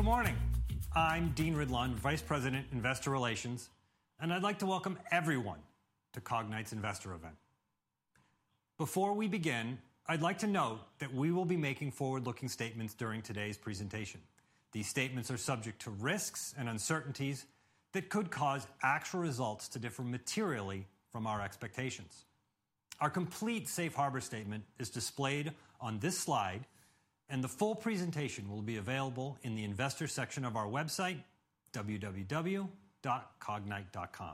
Good morning. I'm Dean Ridlon, Vice President, Investor Relations, and I'd like to welcome everyone to Cognyte's investor event. Before we begin, I'd like to note that we will be making forward-looking statements during today's presentation. These statements are subject to risks and uncertainties that could cause actual results to differ materially from our expectations. Our complete Safe Harbor statement is displayed on this slide, and the full presentation will be available in the investor section of our website, www.cognyte.com.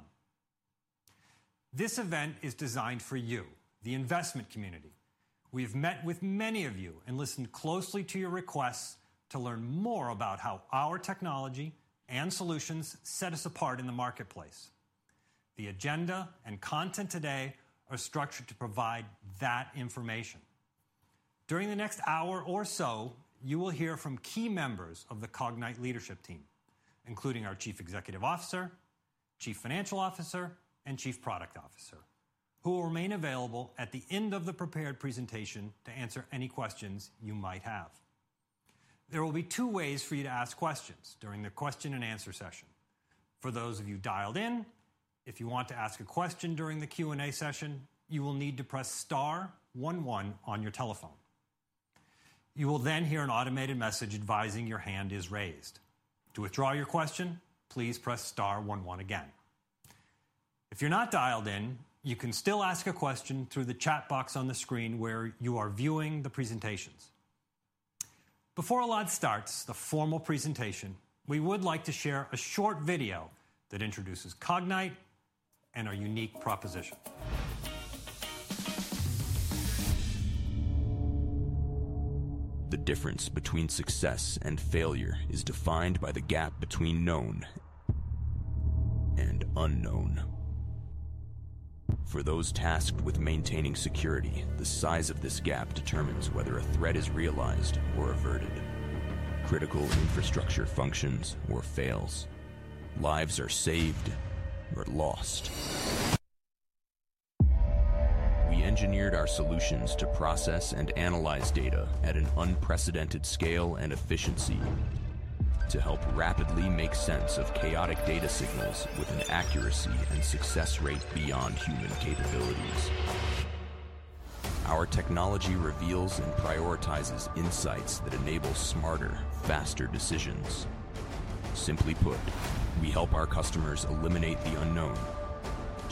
This event is designed for you, the investment community. We have met with many of you and listened closely to your requests to learn more about how our technology and solutions set us apart in the marketplace. The agenda and content today are structured to provide that information. During the next hour or so, you will hear from key members of the Cognyte leadership team, including our Chief Executive Officer, Chief Financial Officer, and Chief Product Officer, who will remain available at the end of the prepared presentation to answer any questions you might have. There will be two ways for you to ask questions during the question and answer session. For those of you dialed in, if you want to ask a question during the Q&A session, you will need to press star one, one on your telephone. You will then hear an automated message advising your hand is raised. To withdraw your question, please press star one, one again. If you're not dialed in, you can still ask a question through the chat box on the screen where you are viewing the presentations. Before Elad starts the formal presentation, we would like to share a short video that introduces Cognyte and our unique proposition. The difference between success and failure is defined by the gap between known and unknown. For those tasked with maintaining security, the size of this gap determines whether a threat is realized or averted, critical infrastructure functions or fails, lives are saved or lost. We engineered our solutions to process and analyze data at an unprecedented scale and efficiency to help rapidly make sense of chaotic data signals with an accuracy and success rate beyond human capabilities. Our technology reveals and prioritizes insights that enable smarter, faster decisions. Simply put, we help our customers eliminate the unknown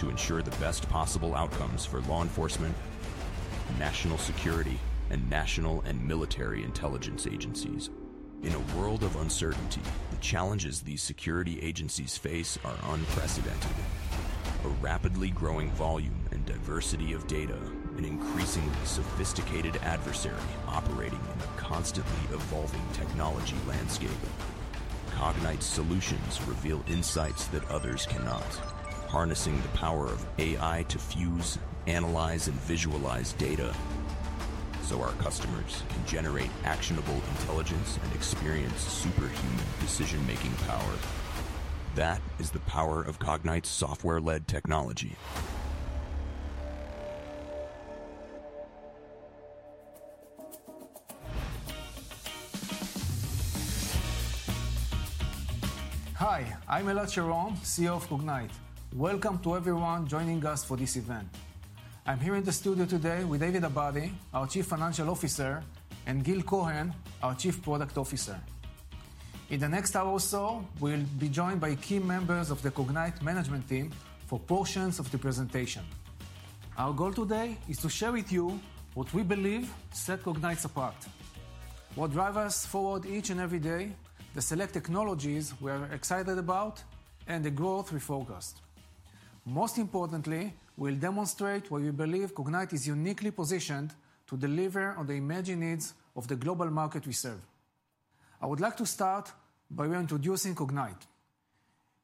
to ensure the best possible outcomes for law enforcement, national security, and national and military intelligence agencies. In a world of uncertainty, the challenges these security agencies face are unprecedented. A rapidly growing volume and diversity of data, an increasingly sophisticated adversary operating in a constantly evolving technology landscape. Cognyte's solutions reveal insights that others cannot, harnessing the power of AI to fuse, analyze, and visualize data so our customers can generate actionable intelligence and experience superhuman decision-making power. That is the power of Cognyte's software-led technology. Hi, I'm Elad Sharon, CEO of Cognyte. Welcome to everyone joining us for this event. I'm here in the studio today with David Abadi, our Chief Financial Officer, and Gil Cohen, our Chief Product Officer. In the next hour or so, we'll be joined by key members of the Cognyte management team for portions of the presentation. Our goal today is to share with you what we believe sets Cognyte apart, what drives us forward each and every day, the select technologies we are excited about, and the growth we focused. Most importantly, we'll demonstrate why we believe Cognyte is uniquely positioned to deliver on the emerging needs of the global market we serve. I would like to start by introducing Cognyte.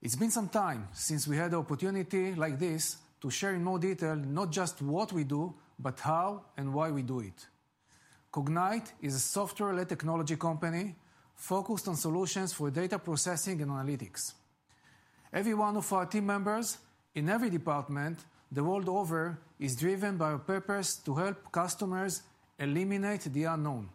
It's been some time since we had the opportunity like this to share in more detail not just what we do, but how and why we do it. Cognyte is a software-led technology company focused on solutions for data processing and analytics. Every one of our team members in every department the world over is driven by a purpose to help customers eliminate the unknown.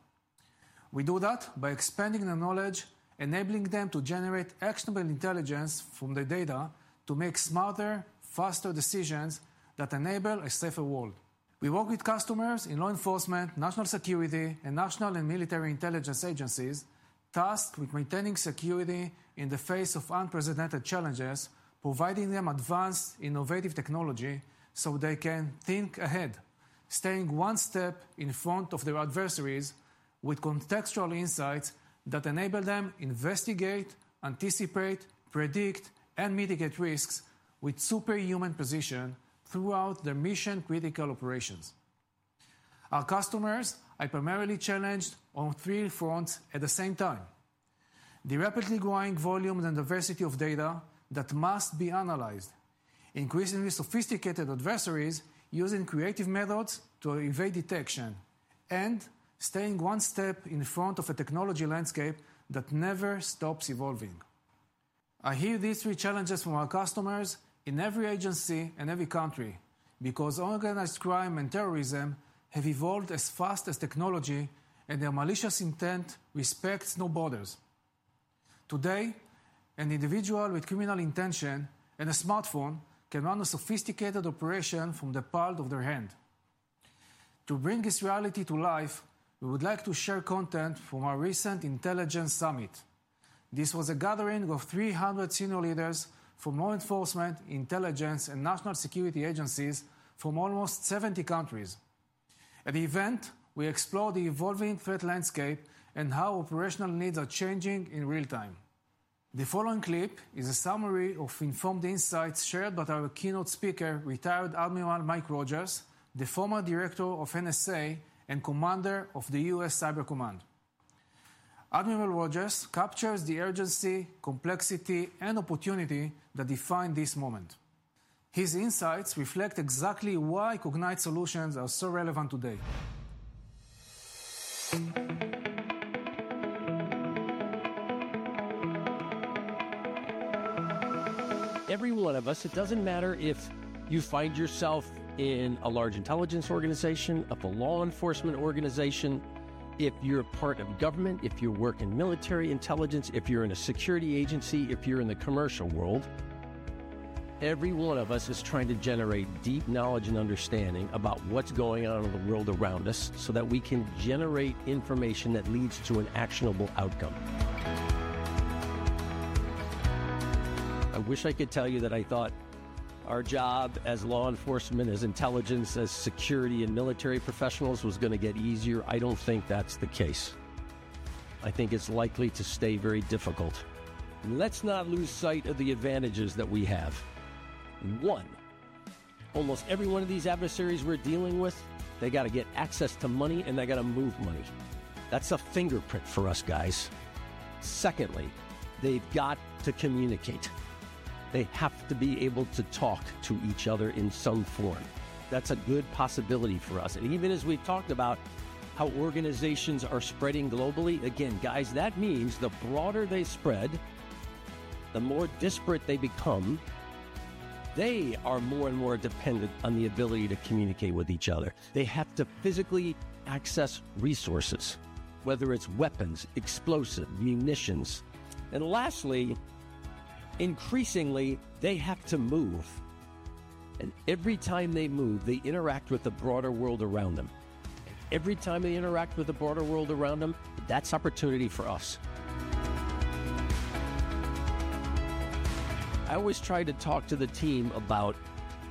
We do that by expanding their knowledge, enabling them to generate actionable intelligence from the data to make smarter, faster decisions that enable a safer world. We work with customers in law enforcement, national security, and national and military intelligence agencies tasked with maintaining security in the face of unprecedented challenges, providing them advanced, innovative technology so they can think ahead, staying one step in front of their adversaries with contextual insights that enable them to investigate, anticipate, predict, and mitigate risks with superhuman precision throughout their mission-critical operations. Our customers are primarily challenged on three fronts at the same time. The rapidly growing volume and diversity of data that must be analyzed, increasingly sophisticated adversaries using creative methods to evade detection, and staying one step in front of a technology landscape that never stops evolving. I hear these three challenges from our customers in every agency and every country because organized crime and terrorism have evolved as fast as technology, and their malicious intent respects no borders. Today, an individual with criminal intention and a smartphone can run a sophisticated operation from the palm of their hand. To bring this reality to life, we would like to share content from our recent Intelligence Summit. This was a gathering of 300 senior leaders from law enforcement, intelligence, and national security agencies from almost 70 countries. At the event, we explored the evolving threat landscape and how operational needs are changing in real time. The following clip is a summary of informed insights shared by our keynote speaker, retired Admiral Mike Rogers, the former director of NSA and commander of the U.S. Cyber Command. Admiral Rogers captures the urgency, complexity, and opportunity that define this moment. His insights reflect exactly why Cognyte's solutions are so relevant today. Every one of us, it doesn't matter if you find yourself in a large intelligence organization, a law enforcement organization, if you're part of government, if you work in military intelligence, if you're in a security agency, if you're in the commercial world. Every one of us is trying to generate deep knowledge and understanding about what's going on in the world around us so that we can generate information that leads to an actionable outcome. I wish I could tell you that I thought our job as law enforcement, as intelligence, as security, and military professionals was going to get easier. I don't think that's the case. I think it's likely to stay very difficult. Let's not lose sight of the advantages that we have. One, almost every one of these adversaries we're dealing with, they got to get access to money, and they got to move money. That's a fingerprint for us, guys. Secondly, they've got to communicate. They have to be able to talk to each other in some form. That's a good possibility for us. Even as we've talked about how organizations are spreading globally, again, guys, that means the broader they spread, the more disparate they become, they are more and more dependent on the ability to communicate with each other. They have to physically access resources, whether it's weapons, explosives, munitions. Lastly, increasingly, they have to move. Every time they move, they interact with the broader world around them. Every time they interact with the broader world around them, that's opportunity for us. I always try to talk to the team about,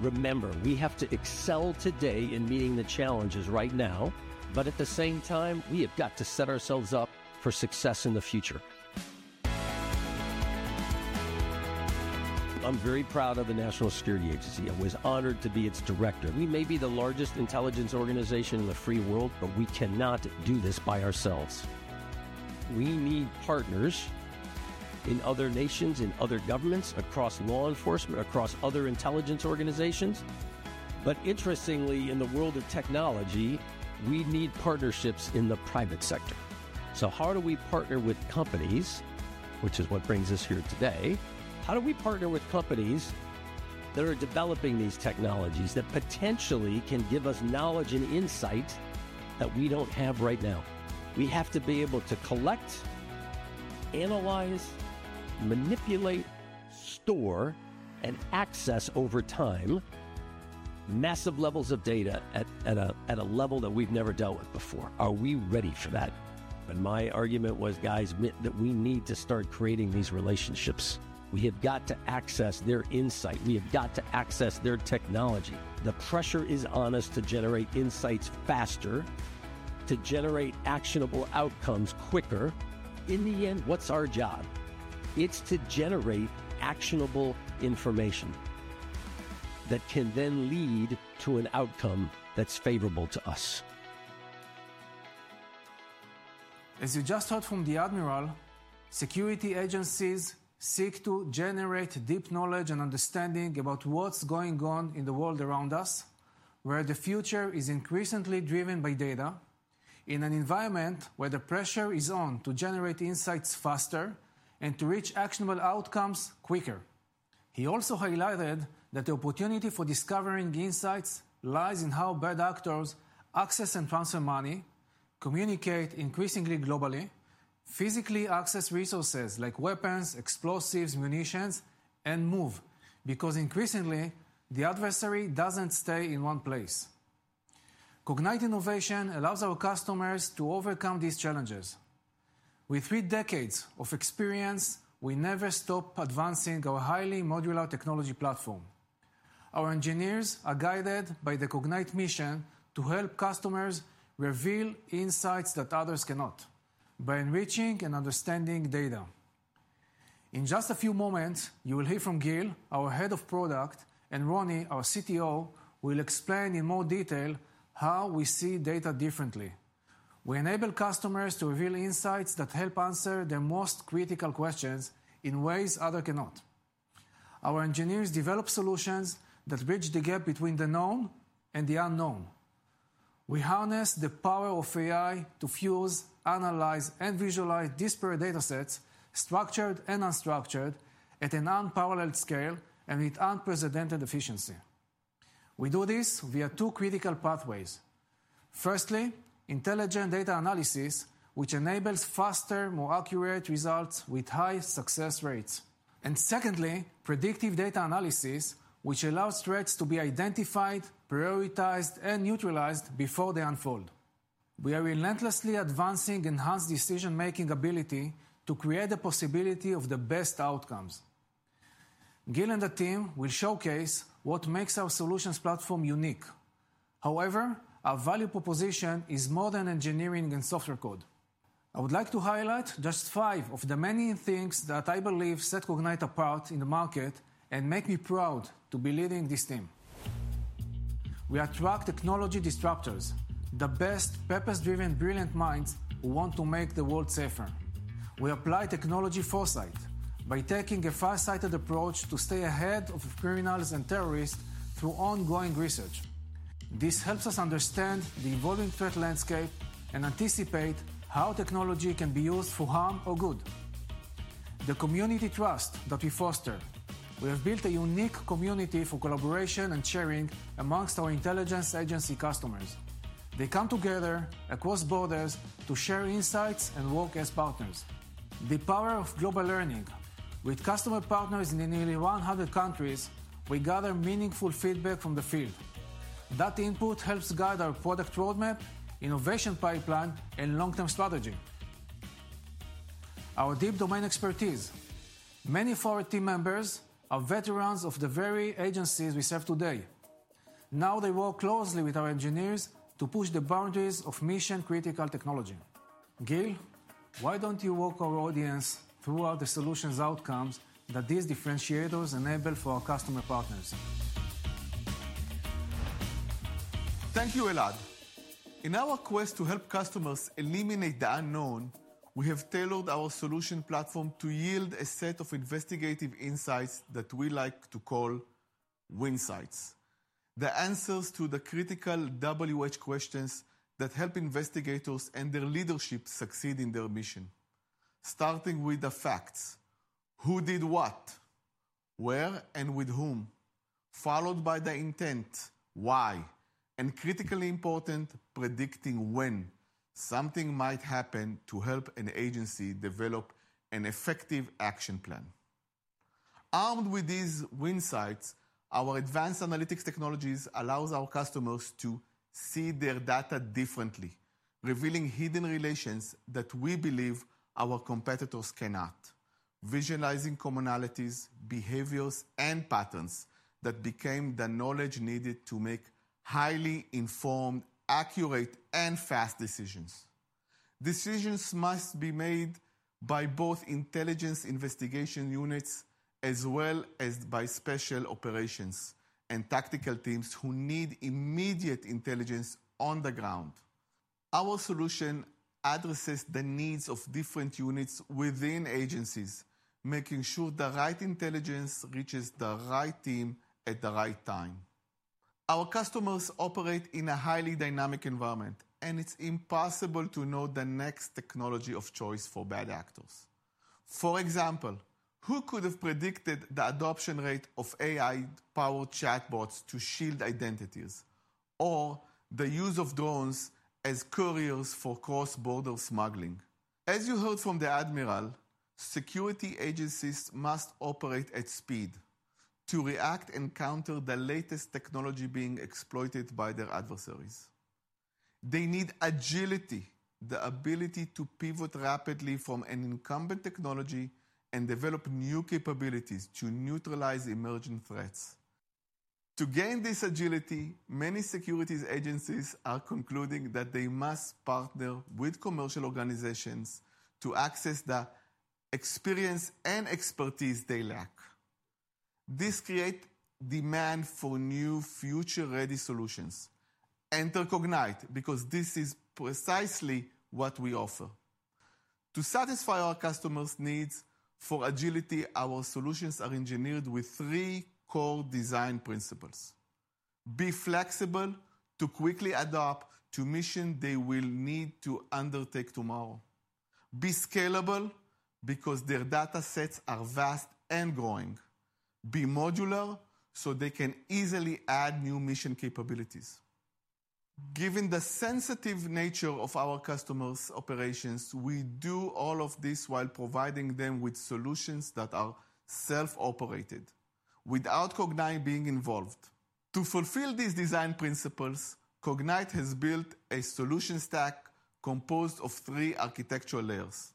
remember, we have to excel today in meeting the challenges right now, but at the same time, we have got to set ourselves up for success in the future. I'm very proud of the National Security Agency. I was honored to be its director. We may be the largest intelligence organization in the free world, but we cannot do this by ourselves. We need partners in other nations, in other governments, across law enforcement, across other intelligence organizations. Interestingly, in the world of technology, we need partnerships in the private sector. How do we partner with companies, which is what brings us here today? How do we partner with companies that are developing these technologies that potentially can give us knowledge and insight that we do not have right now? We have to be able to collect, analyze, manipulate, store, and access over time massive levels of data at a level that we've never dealt with before. Are we ready for that? My argument was, guys, that we need to start creating these relationships. We have got to access their insight. We have got to access their technology. The pressure is on us to generate insights faster, to generate actionable outcomes quicker. In the end, what's our job? It's to generate actionable information that can then lead to an outcome that's favorable to us. As you just heard from the Admiral, security agencies seek to generate deep knowledge and understanding about what's going on in the world around us, where the future is increasingly driven by data, in an environment where the pressure is on to generate insights faster and to reach actionable outcomes quicker. He also highlighted that the opportunity for discovering insights lies in how bad actors access and transfer money, communicate increasingly globally, physically access resources like weapons, explosives, munitions, and move, because increasingly, the adversary doesn't stay in one place. Cognyte innovation allows our customers to overcome these challenges. With three decades of experience, we never stop advancing our highly modular technology platform. Our engineers are guided by the Cognyte mission to help customers reveal insights that others cannot by enriching and understanding data. In just a few moments, you will hear from Gil, our Head of Product, and Ronny, our CTO, who will explain in more detail how we see data differently. We enable customers to reveal insights that help answer their most critical questions in ways others cannot. Our engineers develop solutions that bridge the gap between the known and the unknown. We harness the power of AI to fuse, analyze, and visualize disparate data sets, structured and unstructured, at an unparalleled scale and with unprecedented efficiency. We do this via two critical pathways. Firstly, intelligent data analysis, which enables faster, more accurate results with high success rates. Secondly, predictive data analysis, which allows threats to be identified, prioritized, and neutralized before they unfold. We are relentlessly advancing enhanced decision-making ability to create the possibility of the best outcomes. Gil and the team will showcase what makes our solutions platform unique. However, our value proposition is more than engineering and software code. I would like to highlight just five of the many things that I believe set Cognyte apart in the market and make me proud to be leading this team. We attract technology disruptors, the best purpose-driven, brilliant minds who want to make the world safer. We apply technology foresight by taking a farsighted approach to stay ahead of criminals and terrorists through ongoing research. This helps us understand the evolving threat landscape and anticipate how technology can be used for harm or good. The community trust that we foster. We have built a unique community for collaboration and sharing amongst our intelligence agency customers. They come together across borders to share insights and work as partners. The power of global learning. With customer partners in nearly 100 countries, we gather meaningful feedback from the field. That input helps guide our product roadmap, innovation pipeline, and long-term strategy. Our deep domain expertise. Many of our team members are veterans of the very agencies we serve today. Now they work closely with our engineers to push the boundaries of Mission-Critical Technology. Gil, why don't you walk our audience through the solutions outcomes that these differentiators enable for our customer partners? Thank you, Elad. In our quest to help customers eliminate the unknown, we have tailored our solution platform to yield a set of investigative insights that we like to call Winsights, the answers to the critical WH questions that help investigators and their leadership succeed in their mission, starting with the facts: who did what, where, and with whom, followed by the intent, why, and critically important, predicting when something might happen to help an agency develop an effective action plan. Armed with these Winsights, our advanced analytics technologies allow our customers to see their data differently, revealing hidden relations that we believe our competitors cannot, visualizing commonalities, behaviors, and patterns that became the knowledge needed to make highly informed, accurate, and fast decisions. Decisions must be made by both intelligence investigation units as well as by special operations and tactical teams who need immediate intelligence on the ground. Our solution addresses the needs of different units within agencies, making sure the right intelligence reaches the right team at the right time. Our customers operate in a highly dynamic environment, and it's impossible to know the next technology of choice for bad actors. For example, who could have predicted the adoption rate of AI-powered chatbots to shield identities or the use of drones as couriers for cross-border smuggling? As you heard from the Admiral, security agencies must operate at speed to react and counter the latest technology being exploited by their adversaries. They need agility, the ability to pivot rapidly from an incumbent technology and develop new capabilities to neutralize emerging threats. To gain this agility, many security agencies are concluding that they must partner with commercial organizations to access the experience and expertise they lack. This creates demand for new future-ready solutions. Enter Cognyte, because this is precisely what we offer. To satisfy our customers' needs for agility, our solutions are engineered with three core design principles: be flexible to quickly adapt to missions they will need to undertake tomorrow, be scalable because their data sets are vast and growing, be modular so they can easily add new mission capabilities. Given the sensitive nature of our customers' operations, we do all of this while providing them with solutions that are self-operated without Cognyte being involved. To fulfill these design principles, Cognyte has built a solution stack composed of three architectural layers: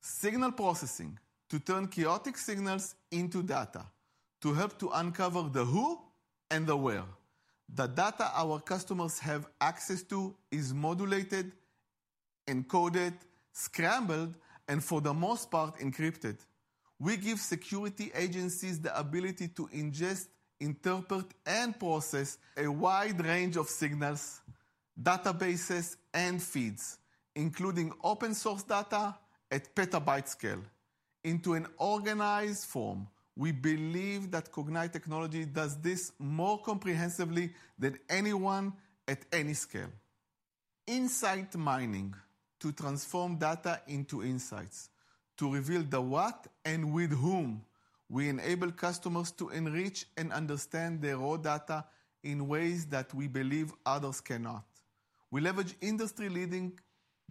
signal processing to turn chaotic signals into data to help to uncover the who and the where. The data our customers have access to is modulated, encoded, scrambled, and for the most part, encrypted. We give security agencies the ability to ingest, interpret, and process a wide range of signals, databases, and feeds, including open-source data at petabyte scale, into an organized form. We believe that Cognyte technology does this more comprehensively than anyone at any scale. Insight mining to transform data into insights to reveal the what and with whom. We enable customers to enrich and understand their raw data in ways that we believe others cannot. We leverage industry-leading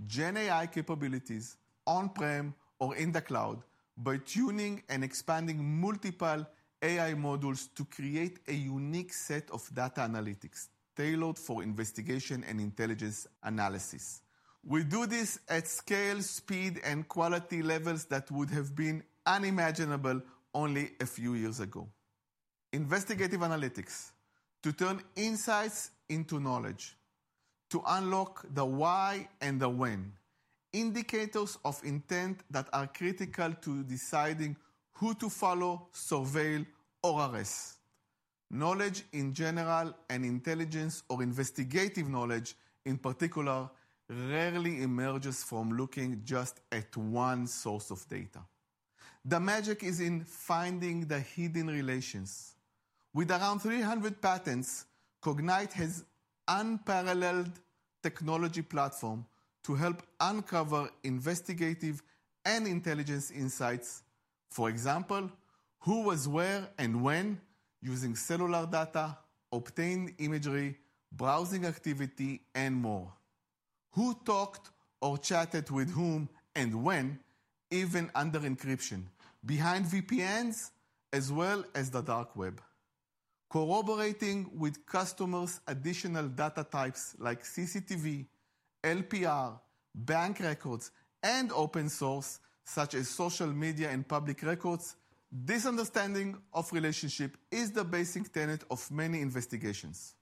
GenAI capabilities on-prem or in the cloud by tuning and expanding multiple AI modules to create a unique set of data analytics tailored for investigation and intelligence analysis. We do this at scale, speed, and quality levels that would have been unimaginable only a few years ago. Investigative analytics to turn insights into knowledge to unlock the why and the when, indicators of intent that are critical to deciding who to follow, surveil, or arrest. Knowledge in general and intelligence or investigative knowledge in particular rarely emerges from looking just at one source of data. The magic is in finding the hidden relations. With around 300 patents, Cognyte has an unparalleled technology platform to help uncover investigative and intelligence insights. For example, who was where and when using cellular data, obtained imagery, browsing activity, and more. Who talked or chatted with whom and when, even under encryption, behind VPNs, as well as the dark web. Corroborating with customers' additional data types like CCTV, LPR, bank records, and open source such as social media and public records, this understanding of relationship is the basic tenet of many investigations.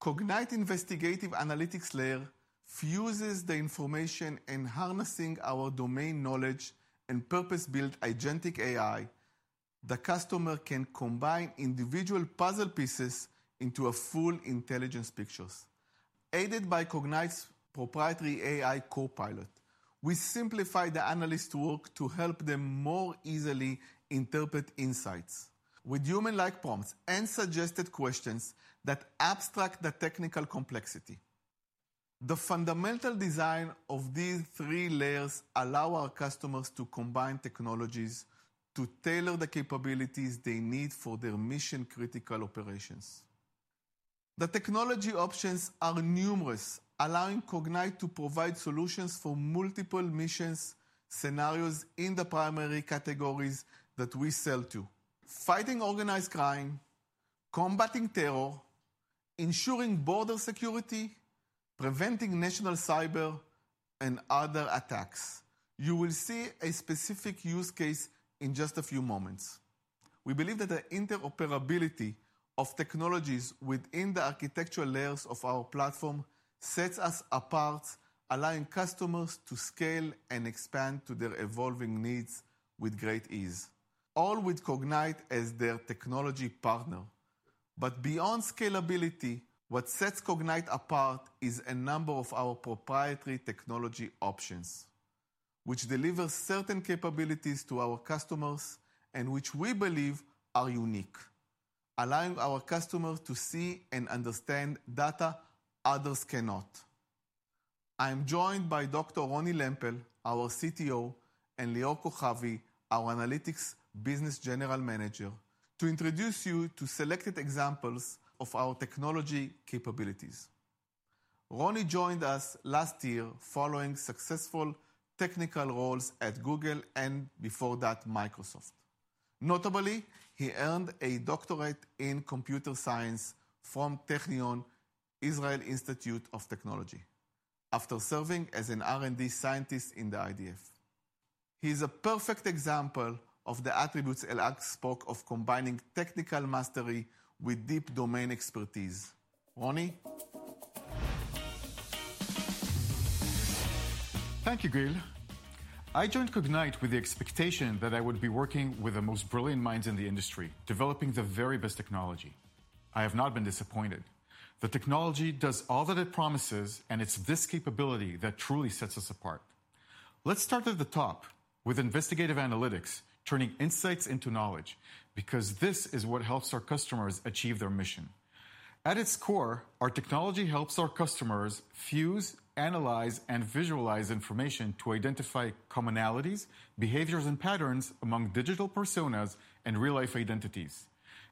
Cognyte's investigative analytics layer fuses the information and harnessing our domain knowledge and purpose-built agentic AI. The customer can combine individual puzzle pieces into a full intelligence picture. Aided by Cognyte's proprietary AI copilot, we simplify the analyst work to help them more easily interpret insights with human-like prompts and suggested questions that abstract the technical complexity. The fundamental design of these three layers allows our customers to combine technologies to tailor the capabilities they need for their mission-critical operations. The technology options are numerous, allowing Cognyte to provide solutions for multiple mission scenarios in the primary categories that we sell to: fighting organized crime, combating terror, ensuring border security, preventing national cyber and other attacks. You will see a specific use case in just a few moments. We believe that the interoperability of technologies within the architectural layers of our platform sets us apart, allowing customers to scale and expand to their evolving needs with great ease, all with Cognyte as their technology partner. Beyond scalability, what sets Cognyte apart is a number of our proprietary technology options, which deliver certain capabilities to our customers and which we believe are unique, allowing our customers to see and understand data others cannot. I'm joined by Dr. Ronny Lempel, our CTO, and Lior Kohavi, our analytics business general manager, to introduce you to selected examples of our technology capabilities. Ronny joined us last year following successful technical roles at Google and before that, Microsoft. Notably, he earned a Doctorate in Computer Science from Technion, Israel Institute of Technology, after serving as an R&D scientist in the IDF. He is a perfect example of the attributes Elad spoke of combining technical mastery with deep domain expertise. Ronny? Thank you, Gil. I joined Cognyte with the expectation that I would be working with the most brilliant minds in the industry, developing the very best technology. I have not been disappointed. The technology does all that it promises, and it's this capability that truly sets us apart. Let's start at the top with investigative analytics, turning insights into knowledge, because this is what helps our customers achieve their mission. At its core, our technology helps our customers fuse, analyze, and visualize information to identify commonalities, behaviors, and patterns among digital personas and real-life identities.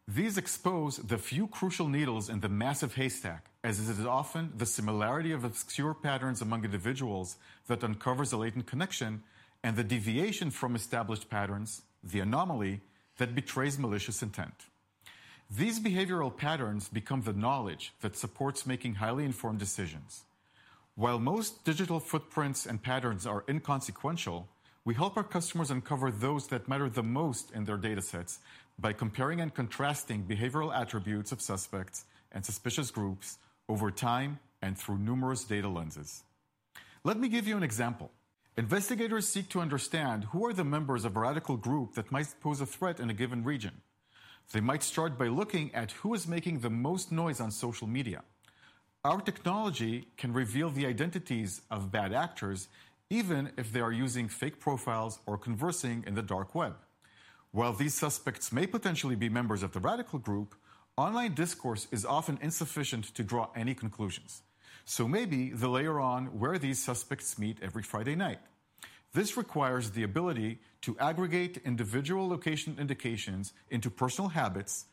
These expose the few crucial needles in the massive haystack, as it is often the similarity of obscure patterns among individuals that uncovers a latent connection and the deviation from established patterns, the anomaly that betrays malicious intent. These behavioral patterns become the knowledge that supports making highly informed decisions. While most digital footprints and patterns are inconsequential, we help our customers uncover those that matter the most in their data sets by comparing and contrasting behavioral attributes of suspects and suspicious groups over time and through numerous data lenses. Let me give you an example. Investigators seek to understand who are the members of a radical group that might pose a threat in a given region. They might start by looking at who is making the most noise on social media. Our technology can reveal the identities of bad actors, even if they are using fake profiles or conversing in the dark web. While these suspects may potentially be members of the radical group, online discourse is often insufficient to draw any conclusions. Maybe they'll layer on where these suspects meet every Friday night. This requires the ability to aggregate individual location indications into personal habits,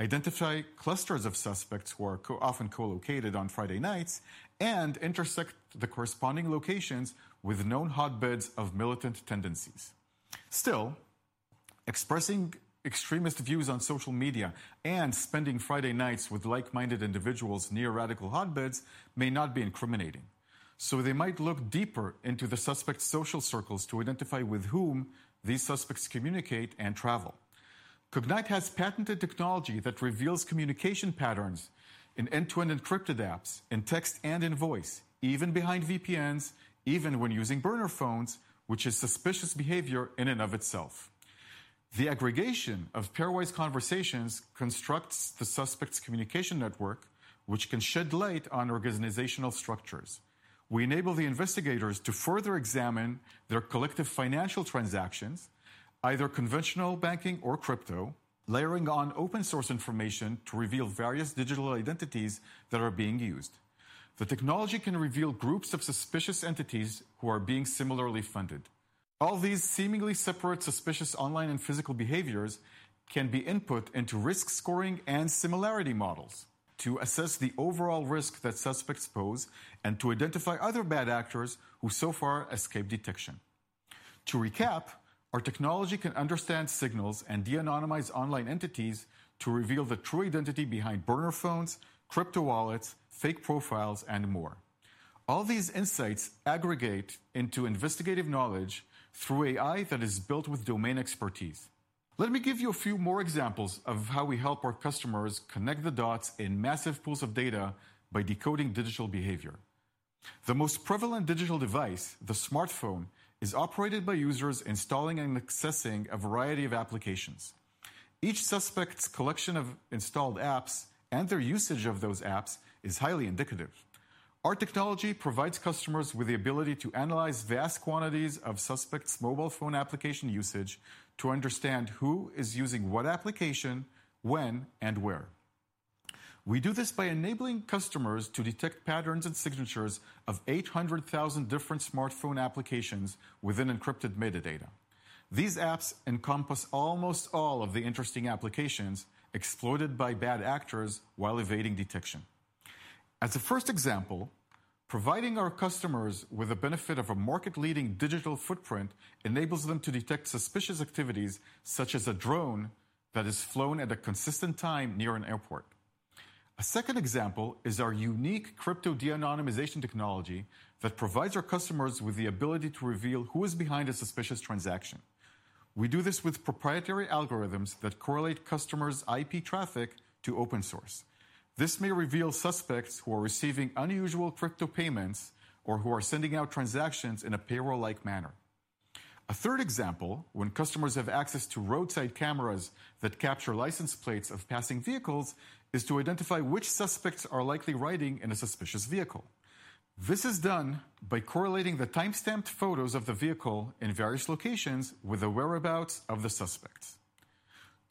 identify clusters of suspects who are often co-located on Friday nights, and intersect the corresponding locations with known hotbeds of militant tendencies. Still, expressing extremist views on social media and spending Friday nights with like-minded individuals near radical hotbeds may not be incriminating. They might look deeper into the suspects' social circles to identify with whom these suspects communicate and travel. Cognyte has patented technology that reveals communication patterns in end-to-end encrypted apps, in text and in voice, even behind VPNs, even when using burner phones, which is suspicious behavior in and of itself. The aggregation of pairwise conversations constructs the suspect's communication network, which can shed light on organizational structures. We enable the investigators to further examine their collective financial transactions, either conventional banking or crypto, layering on open-source information to reveal various digital identities that are being used. The technology can reveal groups of suspicious entities who are being similarly funded. All these seemingly separate suspicious online and physical behaviors can be input into risk scoring and similarity models to assess the overall risk that suspects pose and to identify other bad actors who so far escape detection. To recap, our technology can understand signals and de-anonymize online entities to reveal the true identity behind burner phones, crypto wallets, fake profiles, and more. All these insights aggregate into investigative knowledge through AI that is built with domain expertise. Let me give you a few more examples of how we help our customers connect the dots in massive pools of data by decoding digital behavior. The most prevalent digital device, the smartphone, is operated by users installing and accessing a variety of applications. Each suspect's collection of installed apps and their usage of those apps is highly indicative. Our technology provides customers with the ability to analyze vast quantities of suspects' mobile phone application usage to understand who is using what application, when, and where. We do this by enabling customers to detect patterns and signatures of 800,000 different smartphone applications within encrypted metadata. These apps encompass almost all of the interesting applications exploited by bad actors while evading detection. As a first example, providing our customers with the benefit of a market-leading digital footprint enables them to detect suspicious activities such as a drone that is flown at a consistent time near an airport. A second example is our unique crypto de-anonymization technology that provides our customers with the ability to reveal who is behind a suspicious transaction. We do this with proprietary algorithms that correlate customers' IP traffic to open source. This may reveal suspects who are receiving unusual crypto payments or who are sending out transactions in a payroll-like manner. A third example, when customers have access to roadside cameras that capture license plates of passing vehicles, is to identify which suspects are likely riding in a suspicious vehicle. This is done by correlating the timestamped photos of the vehicle in various locations with the whereabouts of the suspects.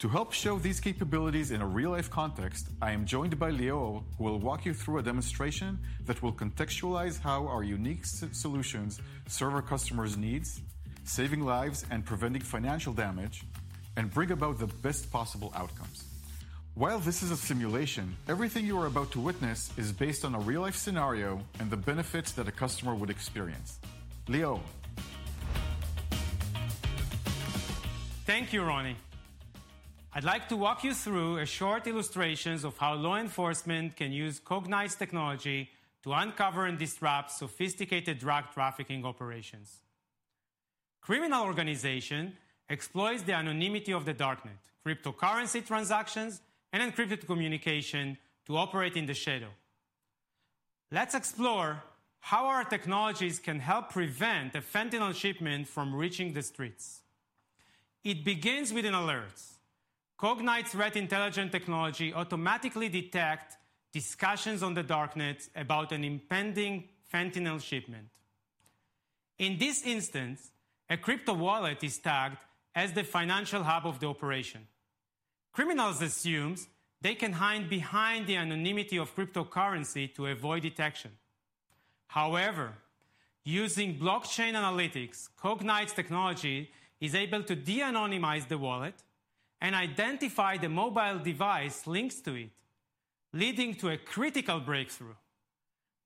To help show these capabilities in a real-life context, I am joined by Lior, who will walk you through a demonstration that will contextualize how our unique solutions serve our customers' needs, saving lives and preventing financial damage, and bring about the best possible outcomes. While this is a simulation, everything you are about to witness is based on a real-life scenario and the benefits that a customer would experience. Lior. Thank you, Ronny. I'd like to walk you through a short illustration of how law enforcement can use Cognyte's technology to uncover and disrupt sophisticated drug trafficking operations. Criminal organizations exploit the anonymity of the darknet, cryptocurrency transactions, and encrypted communication to operate in the shadow. Let's explore how our technologies can help prevent a fentanyl shipment from reaching the streets. It begins with an alert. Cognyte's threat intelligence technology automatically detects discussions on the darknet about an impending fentanyl shipment. In this instance, a crypto wallet is tagged as the financial hub of the operation. Criminals assume they can hide behind the anonymity of cryptocurrency to avoid detection. However, using blockchain analytics, Cognyte's technology is able to de-anonymize the wallet and identify the mobile device linked to it, leading to a critical breakthrough.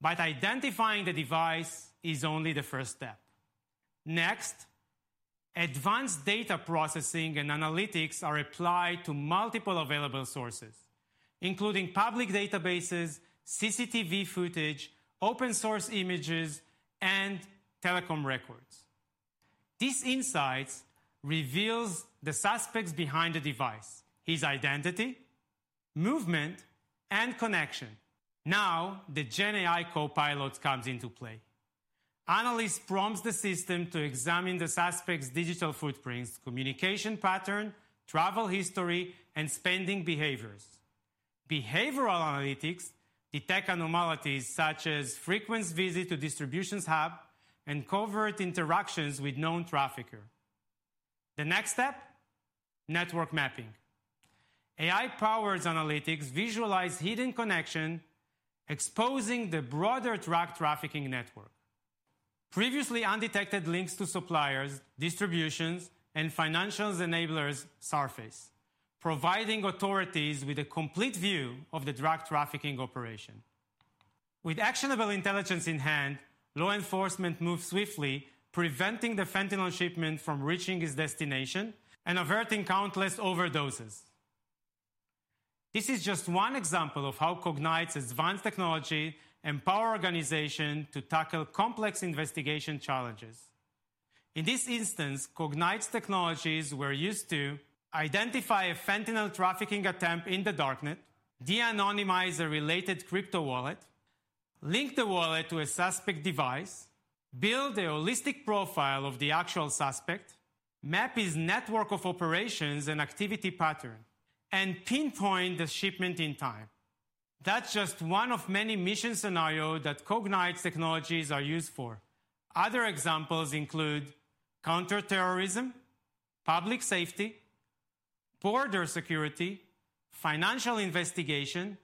Identifying the device is only the first step. Next, advanced data processing and analytics are applied to multiple available sources, including public databases, CCTV footage, open-source images, and telecom records. These insights reveal the suspects behind the device, his identity, movement, and connection. Now the GenAI Copilot comes into play. Analysts prompt the system to examine the suspect's digital footprints, communication pattern, travel history, and spending behaviors. Behavioral analytics detect anomalies such as frequent visits to distribution hubs and covert interactions with known traffickers. The next step, network mapping. AI-powered analytics visualize hidden connections, exposing the broader drug trafficking network. Previously undetected links to suppliers, distributions, and financial enablers surface, providing authorities with a complete view of the drug trafficking operation. With actionable intelligence in hand, law enforcement moves swiftly, preventing the fentanyl shipment from reaching its destination and averting countless overdoses. This is just one example of how Cognyte's advanced technology empowers organizations to tackle complex investigation challenges. In this instance, Cognyte's technologies were used to identify a fentanyl trafficking attempt in the darknet, de-anonymize a related crypto wallet, link the wallet to a suspect device, build a holistic profile of the actual suspect, map his network of operations and activity patterns, and pinpoint the shipment in time. That's just one of many mission scenarios that Cognyte's technologies are used for. Other examples include counterterrorism, public safety, border security, financial investigation,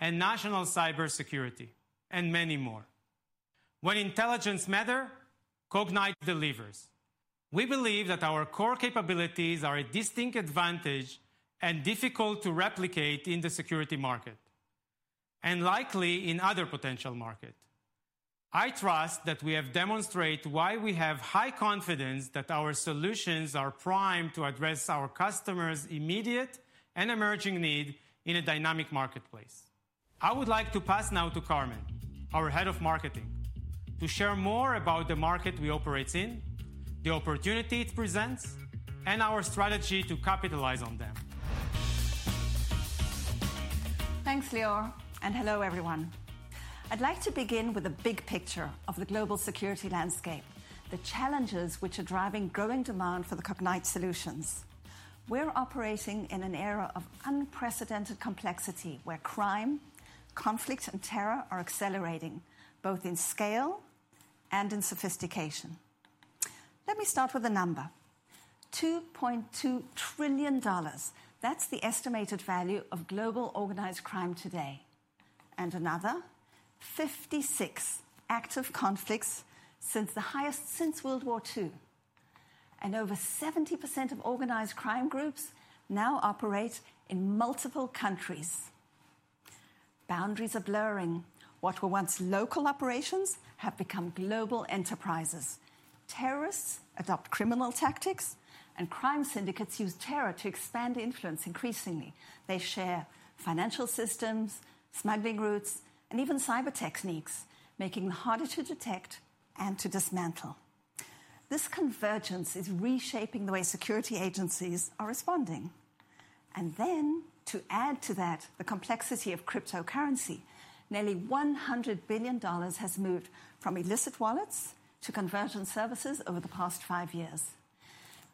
and national cybersecurity, and many more. When intelligence matters, Cognyte delivers. We believe that our core capabilities are a distinct advantage and difficult to replicate in the security market and likely in other potential markets. I trust that we have demonstrated why we have high confidence that our solutions are primed to address our customers' immediate and emerging needs in a dynamic marketplace. I would like to pass now to Carmen, our Head of Marketing, to share more about the market we operate in, the opportunity it presents, and our strategy to capitalize on them. Thanks, Lior, and hello, everyone. I'd like to begin with a big picture of the global security landscape, the challenges which are driving growing demand for the Cognyte solutions. We're operating in an era of unprecedented complexity, where crime, conflict, and terror are accelerating, both in scale and in sophistication. Let me start with a number, $2.2 trillion. That's the estimated value of global organized crime today. Another, 56 active conflicts, the highest since World War II. Over 70% of organized crime groups now operate in multiple countries. Boundaries are blurring. What were once local operations have become global enterprises. Terrorists adopt criminal tactics, and crime syndicates use terror to expand influence increasingly. They share financial systems, smuggling routes, and even cyber techniques, making them harder to detect and to dismantle. This convergence is reshaping the way security agencies are responding. To add to that, the complexity of cryptocurrency. Nearly $100 billion has moved from illicit wallets to convergent services over the past five years.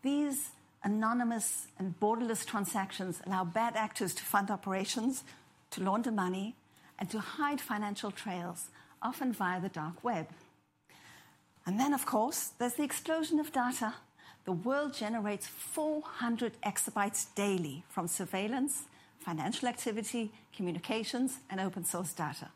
These anonymous and borderless transactions allow bad actors to fund operations, to launder money, and to hide financial trails, often via the dark web. Of course, there is the explosion of data. The world generates 400 exabytes daily from surveillance, financial activity, communications, and open-source data.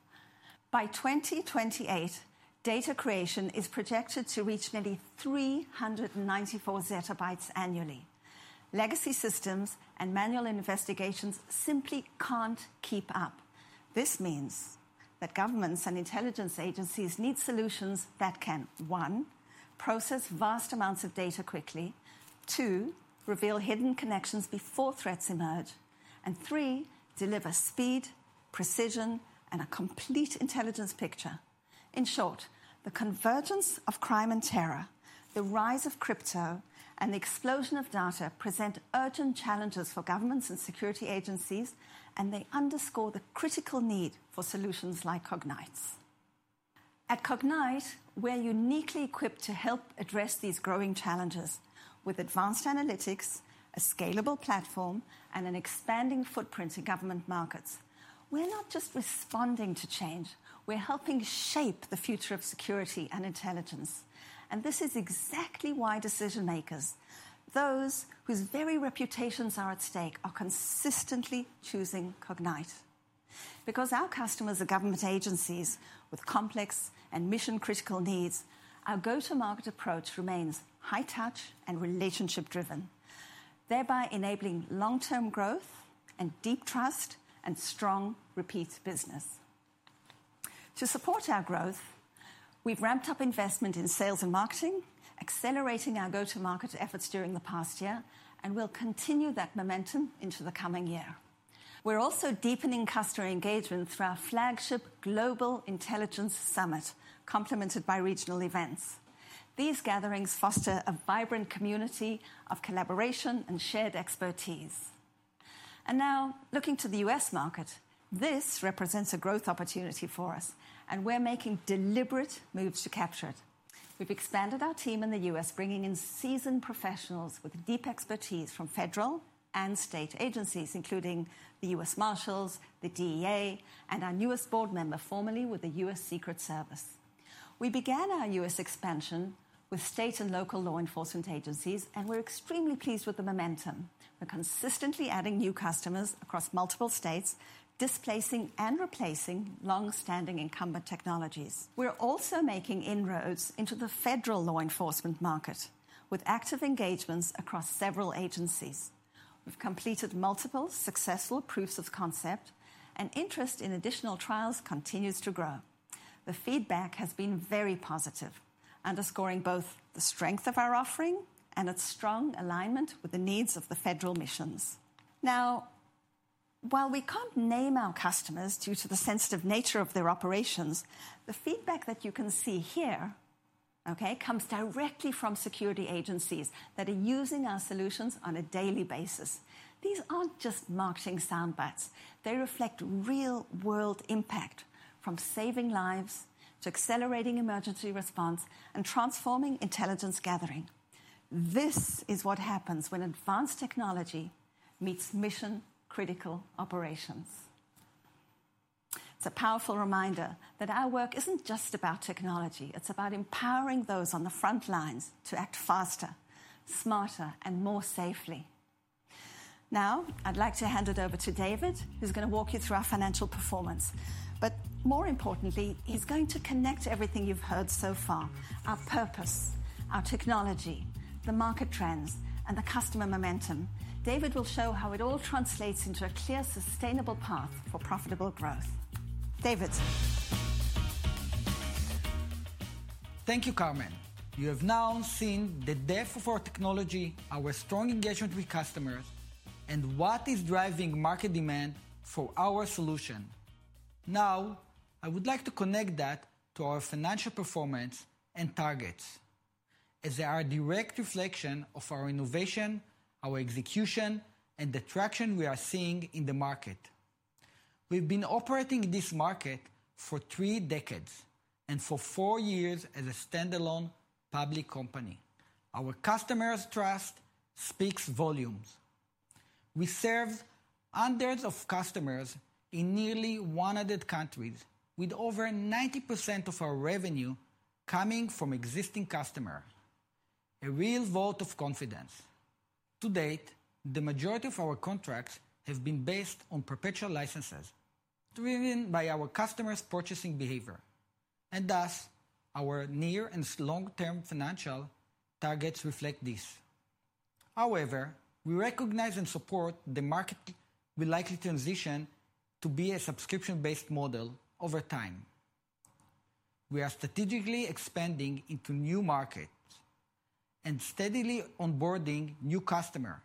By 2028, data creation is projected to reach nearly 394 ZB annually. Legacy systems and manual investigations simply cannot keep up. This means that governments and intelligence agencies need solutions that can, one, process vast amounts of data quickly, two, reveal hidden connections before threats emerge, and three, deliver speed, precision, and a complete intelligence picture. In short, the convergence of crime and terror, the rise of crypto, and the explosion of data present urgent challenges for governments and security agencies, and they underscore the critical need for solutions like Cognyte. At Cognyte, we're uniquely equipped to help address these growing challenges with advanced analytics, a scalable platform, and an expanding footprint in government markets. We're not just responding to change. We're helping shape the future of security and intelligence. This is exactly why decision-makers, those whose very reputations are at stake, are consistently choosing Cognyte. Because our customers are government agencies with complex and mission-critical needs, our go-to-market approach remains high-touch and relationship-driven, thereby enabling long-term growth and deep trust and strong repeat business. To support our growth, we've ramped up investment in sales and marketing, accelerating our go-to-market efforts during the past year, and we'll continue that momentum into the coming year. We're also deepening customer engagement through our flagship global intelligence summit, complemented by regional events. These gatherings foster a vibrant community of collaboration and shared expertise. Now, looking to the U.S. market, this represents a growth opportunity for us, and we're making deliberate moves to capture it. We've expanded our team in the U.S., bringing in seasoned professionals with deep expertise from federal and state agencies, including the U.S. Marshals, the DEA, and our newest board member, formerly with the U.S. Secret Service. We began our U.S. expansion with state and local law enforcement agencies, and we're extremely pleased with the momentum. We're consistently adding new customers across multiple states, displacing and replacing long-standing incumbent technologies. We're also making inroads into the federal law enforcement market with active engagements across several agencies. We've completed multiple successful proofs of concept, and interest in additional trials continues to grow. The feedback has been very positive, underscoring both the strength of our offering and its strong alignment with the needs of the federal missions. Now, while we can't name our customers due to the sensitive nature of their operations, the feedback that you can see here, okay, comes directly from security agencies that are using our solutions on a daily basis. These aren't just marketing sound bites. They reflect real-world impact, from saving lives to accelerating emergency response and transforming intelligence gathering. This is what happens when advanced technology meets mission-critical operations. It's a powerful reminder that our work isn't just about technology. It's about empowering those on the front lines to act faster, smarter, and more safely. Now, I'd like to hand it over to David, who's going to walk you through our financial performance. More importantly, he's going to connect everything you've heard so far: our purpose, our technology, the market trends, and the customer momentum. David will show how it all translates into a clear, sustainable path for profitable growth. David. Thank you, Carmen. You have now seen the depth of our technology, our strong engagement with customers, and what is driving market demand for our solution. Now, I would like to connect that to our financial performance and targets, as they are a direct reflection of our innovation, our execution, and the traction we are seeing in the market. We've been operating this market for three decades and for four years as a standalone public company. Our customers' trust speaks volumes. We serve hundreds of customers in nearly 100 countries, with over 90% of our revenue coming from existing customers. A real vote of confidence. To date, the majority of our contracts have been based on perpetual licenses, driven by our customers' purchasing behavior. Thus, our near and long-term financial targets reflect this. However, we recognize and support the market will likely transition to be a subscription-based model over time. We are strategically expanding into new markets and steadily onboarding new customers.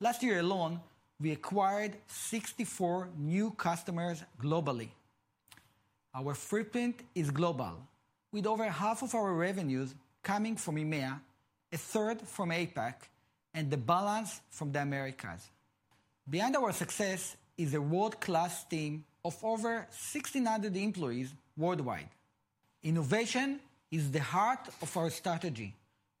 Last year alone, we acquired 64 new customers globally. Our footprint is global, with over half of our revenues coming from EMEA, a third from APAC, and the balance from the Americas. Beyond our success is a world-class team of over 1,600 employees worldwide. Innovation is the heart of our strategy.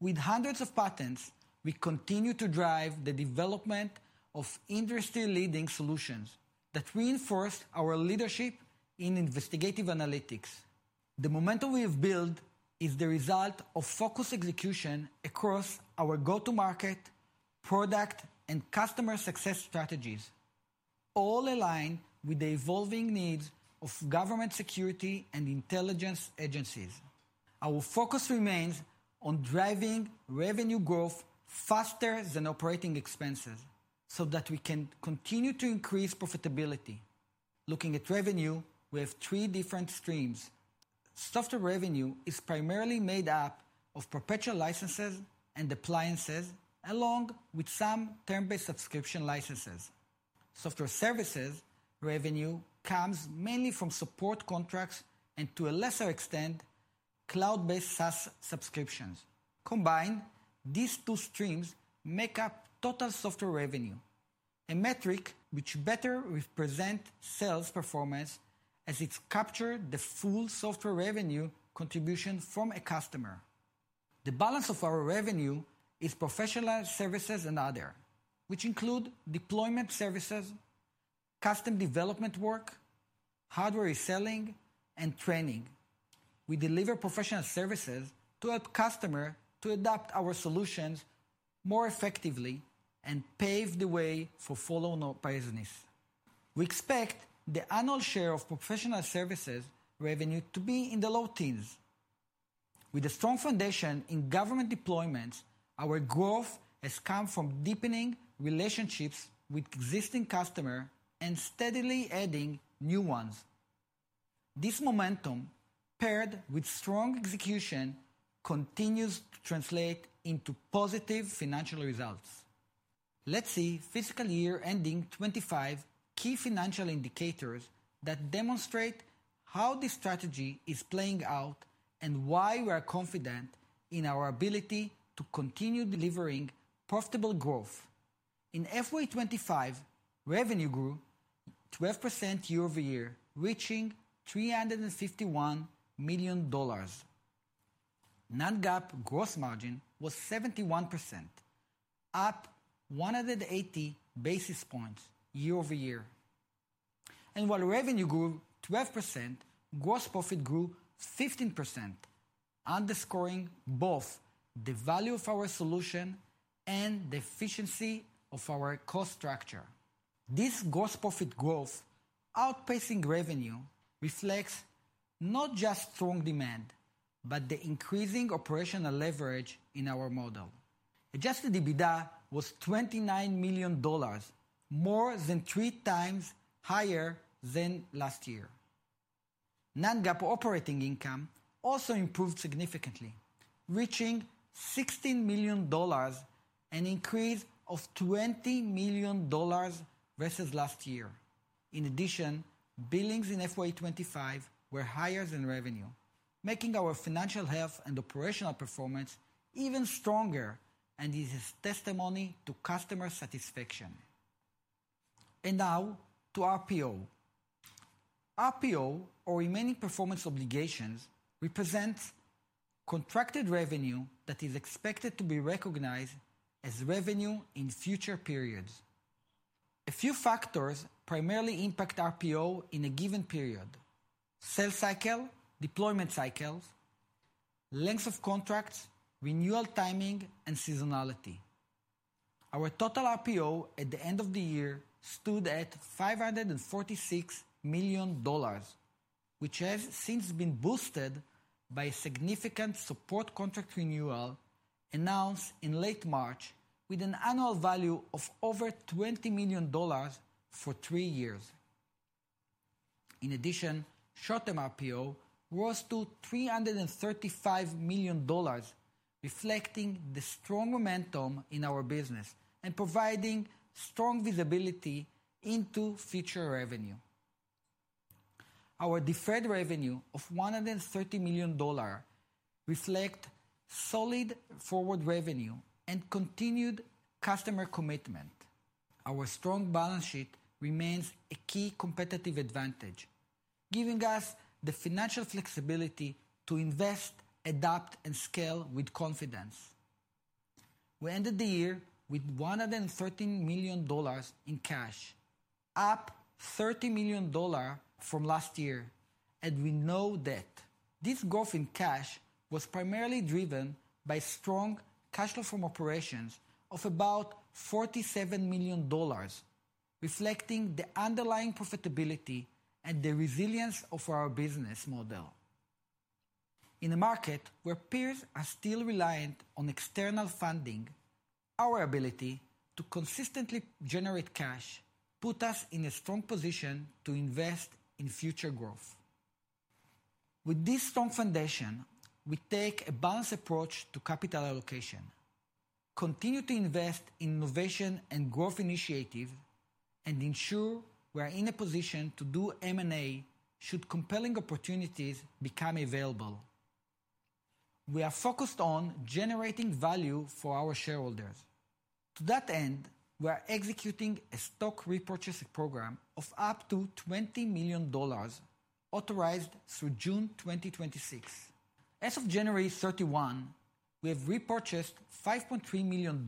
With hundreds of patents, we continue to drive the development of industry-leading solutions that reinforce our leadership in investigative analytics. The momentum we've built is the result of focused execution across our go-to-market, product, and customer success strategies, all aligned with the evolving needs of government security and intelligence agencies. Our focus remains on driving revenue growth faster than operating expenses so that we can continue to increase profitability. Looking at revenue, we have three different streams. Software revenue is primarily made up of perpetual licenses and appliances, along with some term-based subscription licenses. Software services revenue comes mainly from support contracts and, to a lesser extent, cloud-based SaaS subscriptions. Combined, these two streams make up total software revenue, a metric which better represents sales performance as it captures the full software revenue contribution from a customer. The balance of our revenue is professional services and other, which include deployment services, custom development work, hardware reselling, and training. We deliver professional services to help customers to adopt our solutions more effectively and pave the way for follow-on business. We expect the annual share of professional services revenue to be in the low teens. With a strong foundation in government deployments, our growth has come from deepening relationships with existing customers and steadily adding new ones. This momentum, paired with strong execution, continues to translate into positive financial results. Let's see fiscal year ending 2025 key financial indicators that demonstrate how this strategy is playing out and why we are confident in our ability to continue delivering profitable growth. In FY 2025, revenue grew 12% year over year, reaching $351 million. Non-GAAP gross margin was 71%, up 180 basis points year over year. While revenue grew 12%, gross profit grew 15%, underscoring both the value of our solution and the efficiency of our cost structure. This gross profit growth, outpacing revenue, reflects not just strong demand, but the increasing operational leverage in our model. Adjusted EBITDA was $29 million, more than three times higher than last year. Non-GAAP operating income also improved significantly, reaching $16 million, an increase of $20 million versus last year. In addition, billings in FY 2025 were higher than revenue, making our financial health and operational performance even stronger and is a testimony to customer satisfaction. Now to RPO. RPO, or remaining performance obligations, represents contracted revenue that is expected to be recognized as revenue in future periods. A few factors primarily impact RPO in a given period: sales cycle, deployment cycles, length of contracts, renewal timing, and seasonality. Our total RPO at the end of the year stood at $546 million, which has since been boosted by a significant support contract renewal announced in late March, with an annual value of over $20 million for three years. In addition, short-term RPO rose to $335 million, reflecting the strong momentum in our business and providing strong visibility into future revenue. Our deferred revenue of $130 million reflects solid forward revenue and continued customer commitment. Our strong balance sheet remains a key competitive advantage, giving us the financial flexibility to invest, adapt, and scale with confidence. We ended the year with $113 million in cash, up $30 million from last year, and with no debt. This growth in cash was primarily driven by strong cash-to-form operations of about $47 million, reflecting the underlying profitability and the resilience of our business model. In a market where peers are still reliant on external funding, our ability to consistently generate cash puts us in a strong position to invest in future growth. With this strong foundation, we take a balanced approach to capital allocation, continue to invest in innovation and growth initiatives, and ensure we are in a position to do M&A should compelling opportunities become available. We are focused on generating value for our shareholders. To that end, we are executing a stock repurchase program of up to $20 million authorized through June 2026. As of January 31, we have repurchased $5.3 million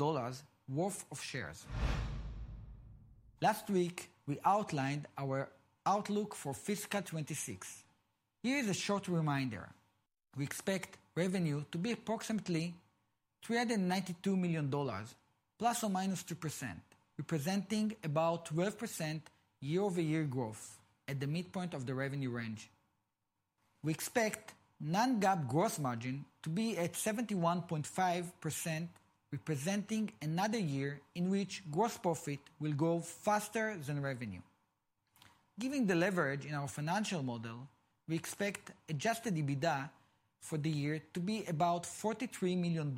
worth of shares. Last week, we outlined our outlook for fiscal 2026. Here is a short reminder. We expect revenue to be approximately $392 million, plus or minus 2%, representing about 12% year-over-year growth at the midpoint of the revenue range. We expect non-GAAP gross margin to be at 71.5%, representing another year in which gross profit will grow faster than revenue. Given the leverage in our financial model, we expect adjusted EBITDA for the year to be about $43 million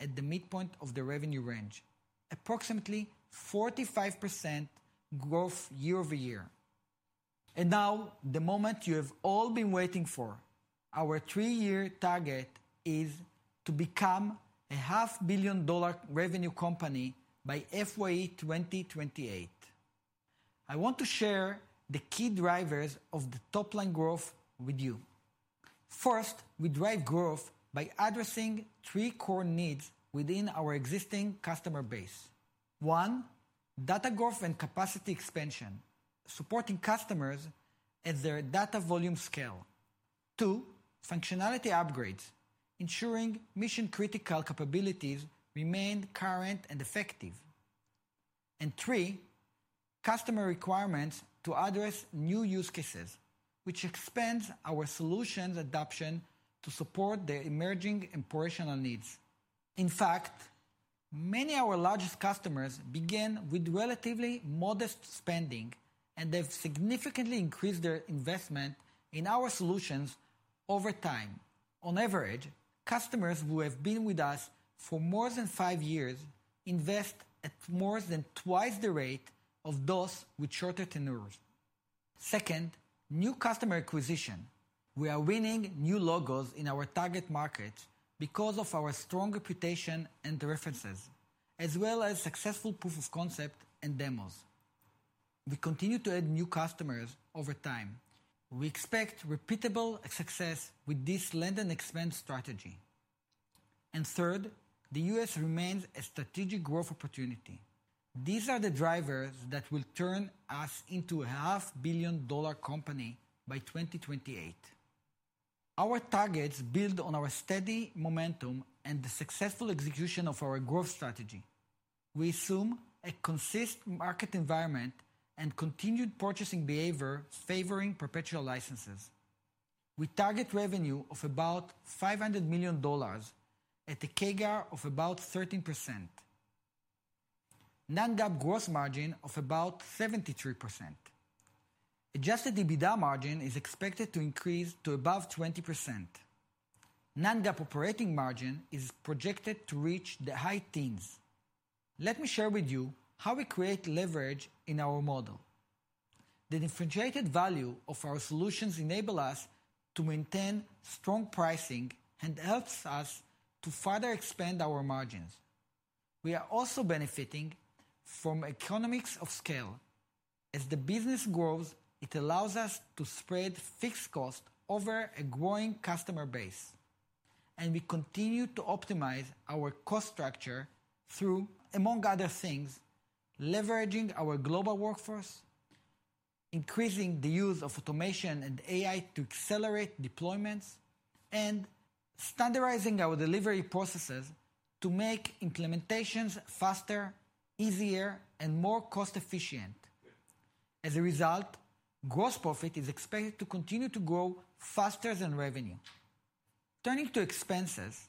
at the midpoint of the revenue range, approximately 45% growth year-over-year. Now, the moment you have all been waiting for. Our three-year target is to become a half-billion-dollar revenue company by fiscal year 2028. I want to share the key drivers of the top-line growth with you. First, we drive growth by addressing three core needs within our existing customer base. One, data growth and capacity expansion, supporting customers as their data volume scale. Two, functionality upgrades, ensuring mission-critical capabilities remain current and effective. Three, customer requirements to address new use cases, which expands our solution's adoption to support the emerging operational needs. In fact, many of our largest customers begin with relatively modest spending, and they've significantly increased their investment in our solutions over time. On average, customers who have been with us for more than five years invest at more than twice the rate of those with shorter tenures. Second, new customer acquisition. We are winning new logos in our target markets because of our strong reputation and references, as well as successful proof of concept and demos. We continue to add new customers over time. We expect repeatable success with this lend-and-expense strategy. Third, the US remains a strategic growth opportunity. These are the drivers that will turn us into a half-billion-dollar company by 2028. Our targets build on our steady momentum and the successful execution of our growth strategy. We assume a consistent market environment and continued purchasing behavior favoring perpetual licenses. We target revenue of about $500 million at a CAGR of about 13%. Non-GAAP gross margin of about 73%. Adjusted EBITDA margin is expected to increase to above 20%. Non-GAAP operating margin is projected to reach the high teens. Let me share with you how we create leverage in our model. The differentiated value of our solutions enables us to maintain strong pricing and helps us to further expand our margins. We are also benefiting from economics of scale. As the business grows, it allows us to spread fixed costs over a growing customer base. We continue to optimize our cost structure through, among other things, leveraging our global workforce, increasing the use of automation and AI to accelerate deployments, and standardizing our delivery processes to make implementations faster, easier, and more cost-efficient. As a result, gross profit is expected to continue to grow faster than revenue. Turning to expenses,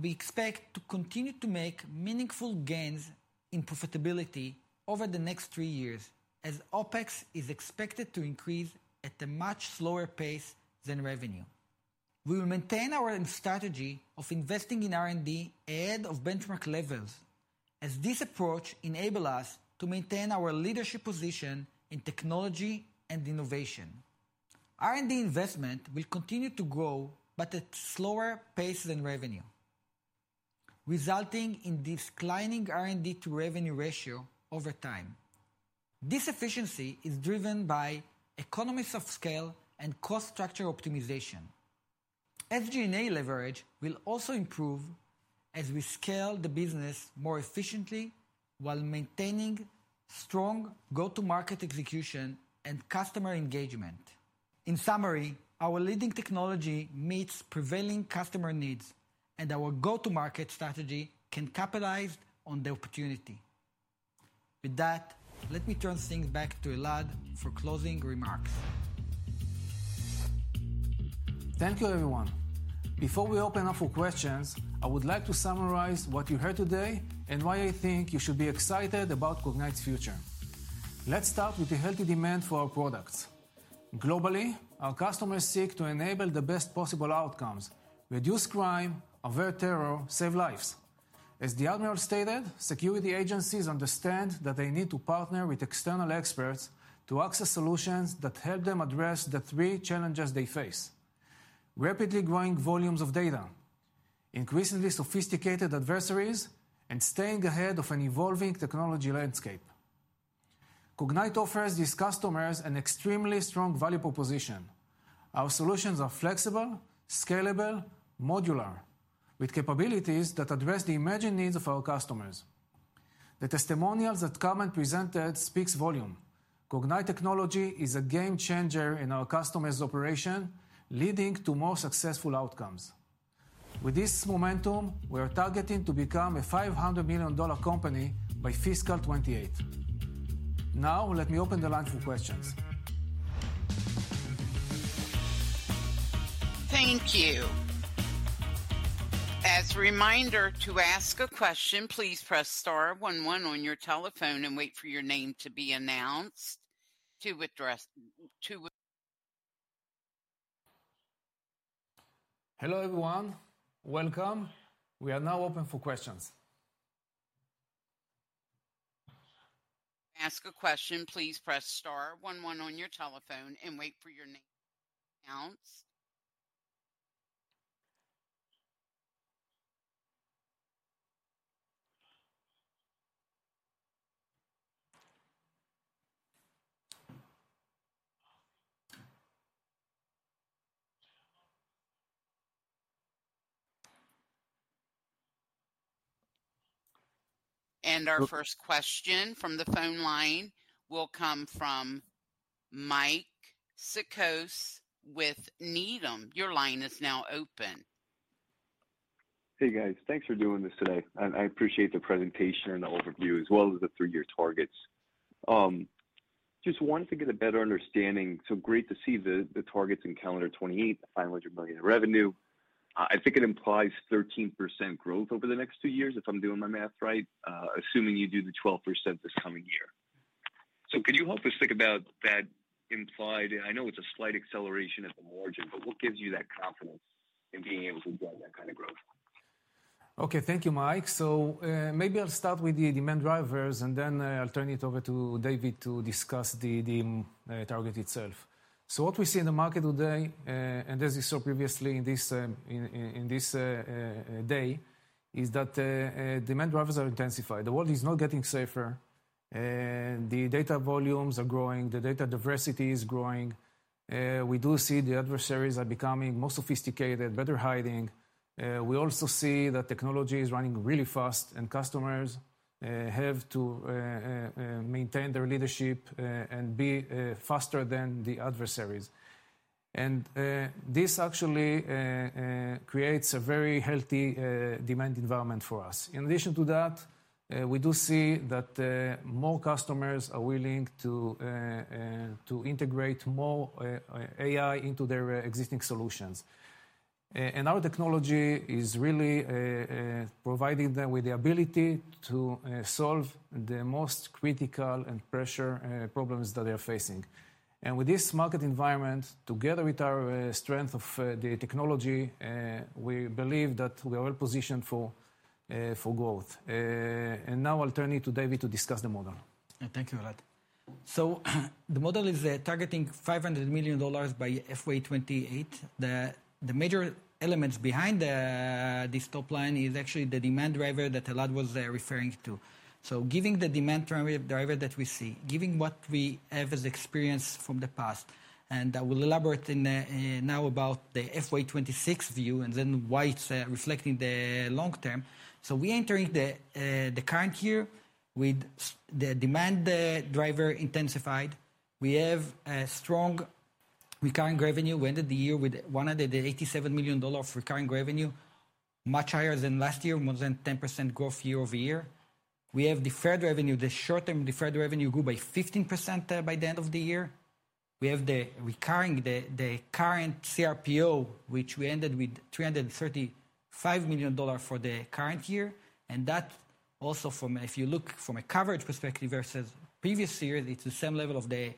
we expect to continue to make meaningful gains in profitability over the next three years as OpEx is expected to increase at a much slower pace than revenue. We will maintain our strategy of investing in R&D ahead of benchmark levels as this approach enables us to maintain our leadership position in technology and innovation. R&D investment will continue to grow, but at a slower pace than revenue, resulting in a declining R&D-to-revenue ratio over time. This efficiency is driven by economies of scale and cost structure optimization. SG&A leverage will also improve as we scale the business more efficiently while maintaining strong go-to-market execution and customer engagement. In summary, our leading technology meets prevailing customer needs, and our go-to-market strategy can capitalize on the opportunity. With that, let me turn things back to Elad for closing remarks. Thank you, everyone. Before we open up for questions, I would like to summarize what you heard today and why I think you should be excited about Cognyte's future. Let's start with the healthy demand for our products. Globally, our customers seek to enable the best possible outcomes: reduce crime, avert terror, save lives. As the Admiral stated, security agencies understand that they need to partner with external experts to access solutions that help them address the three challenges they face: rapidly growing volumes of data, increasingly sophisticated adversaries, and staying ahead of an evolving technology landscape. Cognyte offers these customers an extremely strong value proposition. Our solutions are flexible, scalable, and modular, with capabilities that address the emerging needs of our customers. The testimonials that Carmen presented speak volumes. Cognyte technology is a game changer in our customers' operation, leading to more successful outcomes. With this momentum, we are targeting to become a $500 million company by fiscal 2028. Now, let me open the line for questions. Thank you. As a reminder to ask a question, please press star one, one on your telephone and wait for your name to be announced. Hello, everyone. Welcome. We are now open for questions. Ask a question, please press star one, one on your telephone and wait for your name to be announced. Our first question from the phone line will come from Mike Cikos with Needham. Your line is now open. Hey, guys. Thanks for doing this today. I appreciate the presentation and the overview, as well as the three-year targets. Just wanted to get a better understanding. Great to see the targets in calendar 2028, $500 million in revenue. I think it implies 13% growth over the next two years, if I'm doing my math right, assuming you do the 12% this coming year. Can you help us think about that implied? I know it's a slight acceleration at the margin, but what gives you that confidence in being able to drive that kind of growth? Thank you, Mike. Maybe I'll start with the demand drivers, and then I'll turn it over to David to discuss the target itself. What we see in the market today, and as you saw previously in this day, is that demand drivers are intensified. The world is not getting safer. The data volumes are growing. The data diversity is growing. We do see the adversaries are becoming more sophisticated, better hiding. We also see that technology is running really fast, and customers have to maintain their leadership and be faster than the adversaries. This actually creates a very healthy demand environment for us. In addition to that, we do see that more customers are willing to integrate more AI into their existing solutions. Our technology is really providing them with the ability to solve the most critical and pressure problems that they are facing. With this market environment, together with our strength of the technology, we believe that we are well positioned for growth. Now I'll turn it to David to discuss the model. Thank you, Elad. The model is targeting $500 million by fiscal year 2028. The major elements behind this top line is actually the demand driver that Elad was referring to. Giving the demand driver that we see, giving what we have as experience from the past. I will elaborate now about the fiscal year 2026 view and then why it's reflecting the long term. We are entering the current year with the demand driver intensified. We have a strong recurring revenue. We ended the year with $187 million of recurring revenue, much higher than last year, more than 10% growth year over year. We have the short-term deferred revenue grew by 15% by the end of the year. We have the current CRPO, which we ended with $335 million for the current year. If you look from a coverage perspective versus previous years, it's the same level of the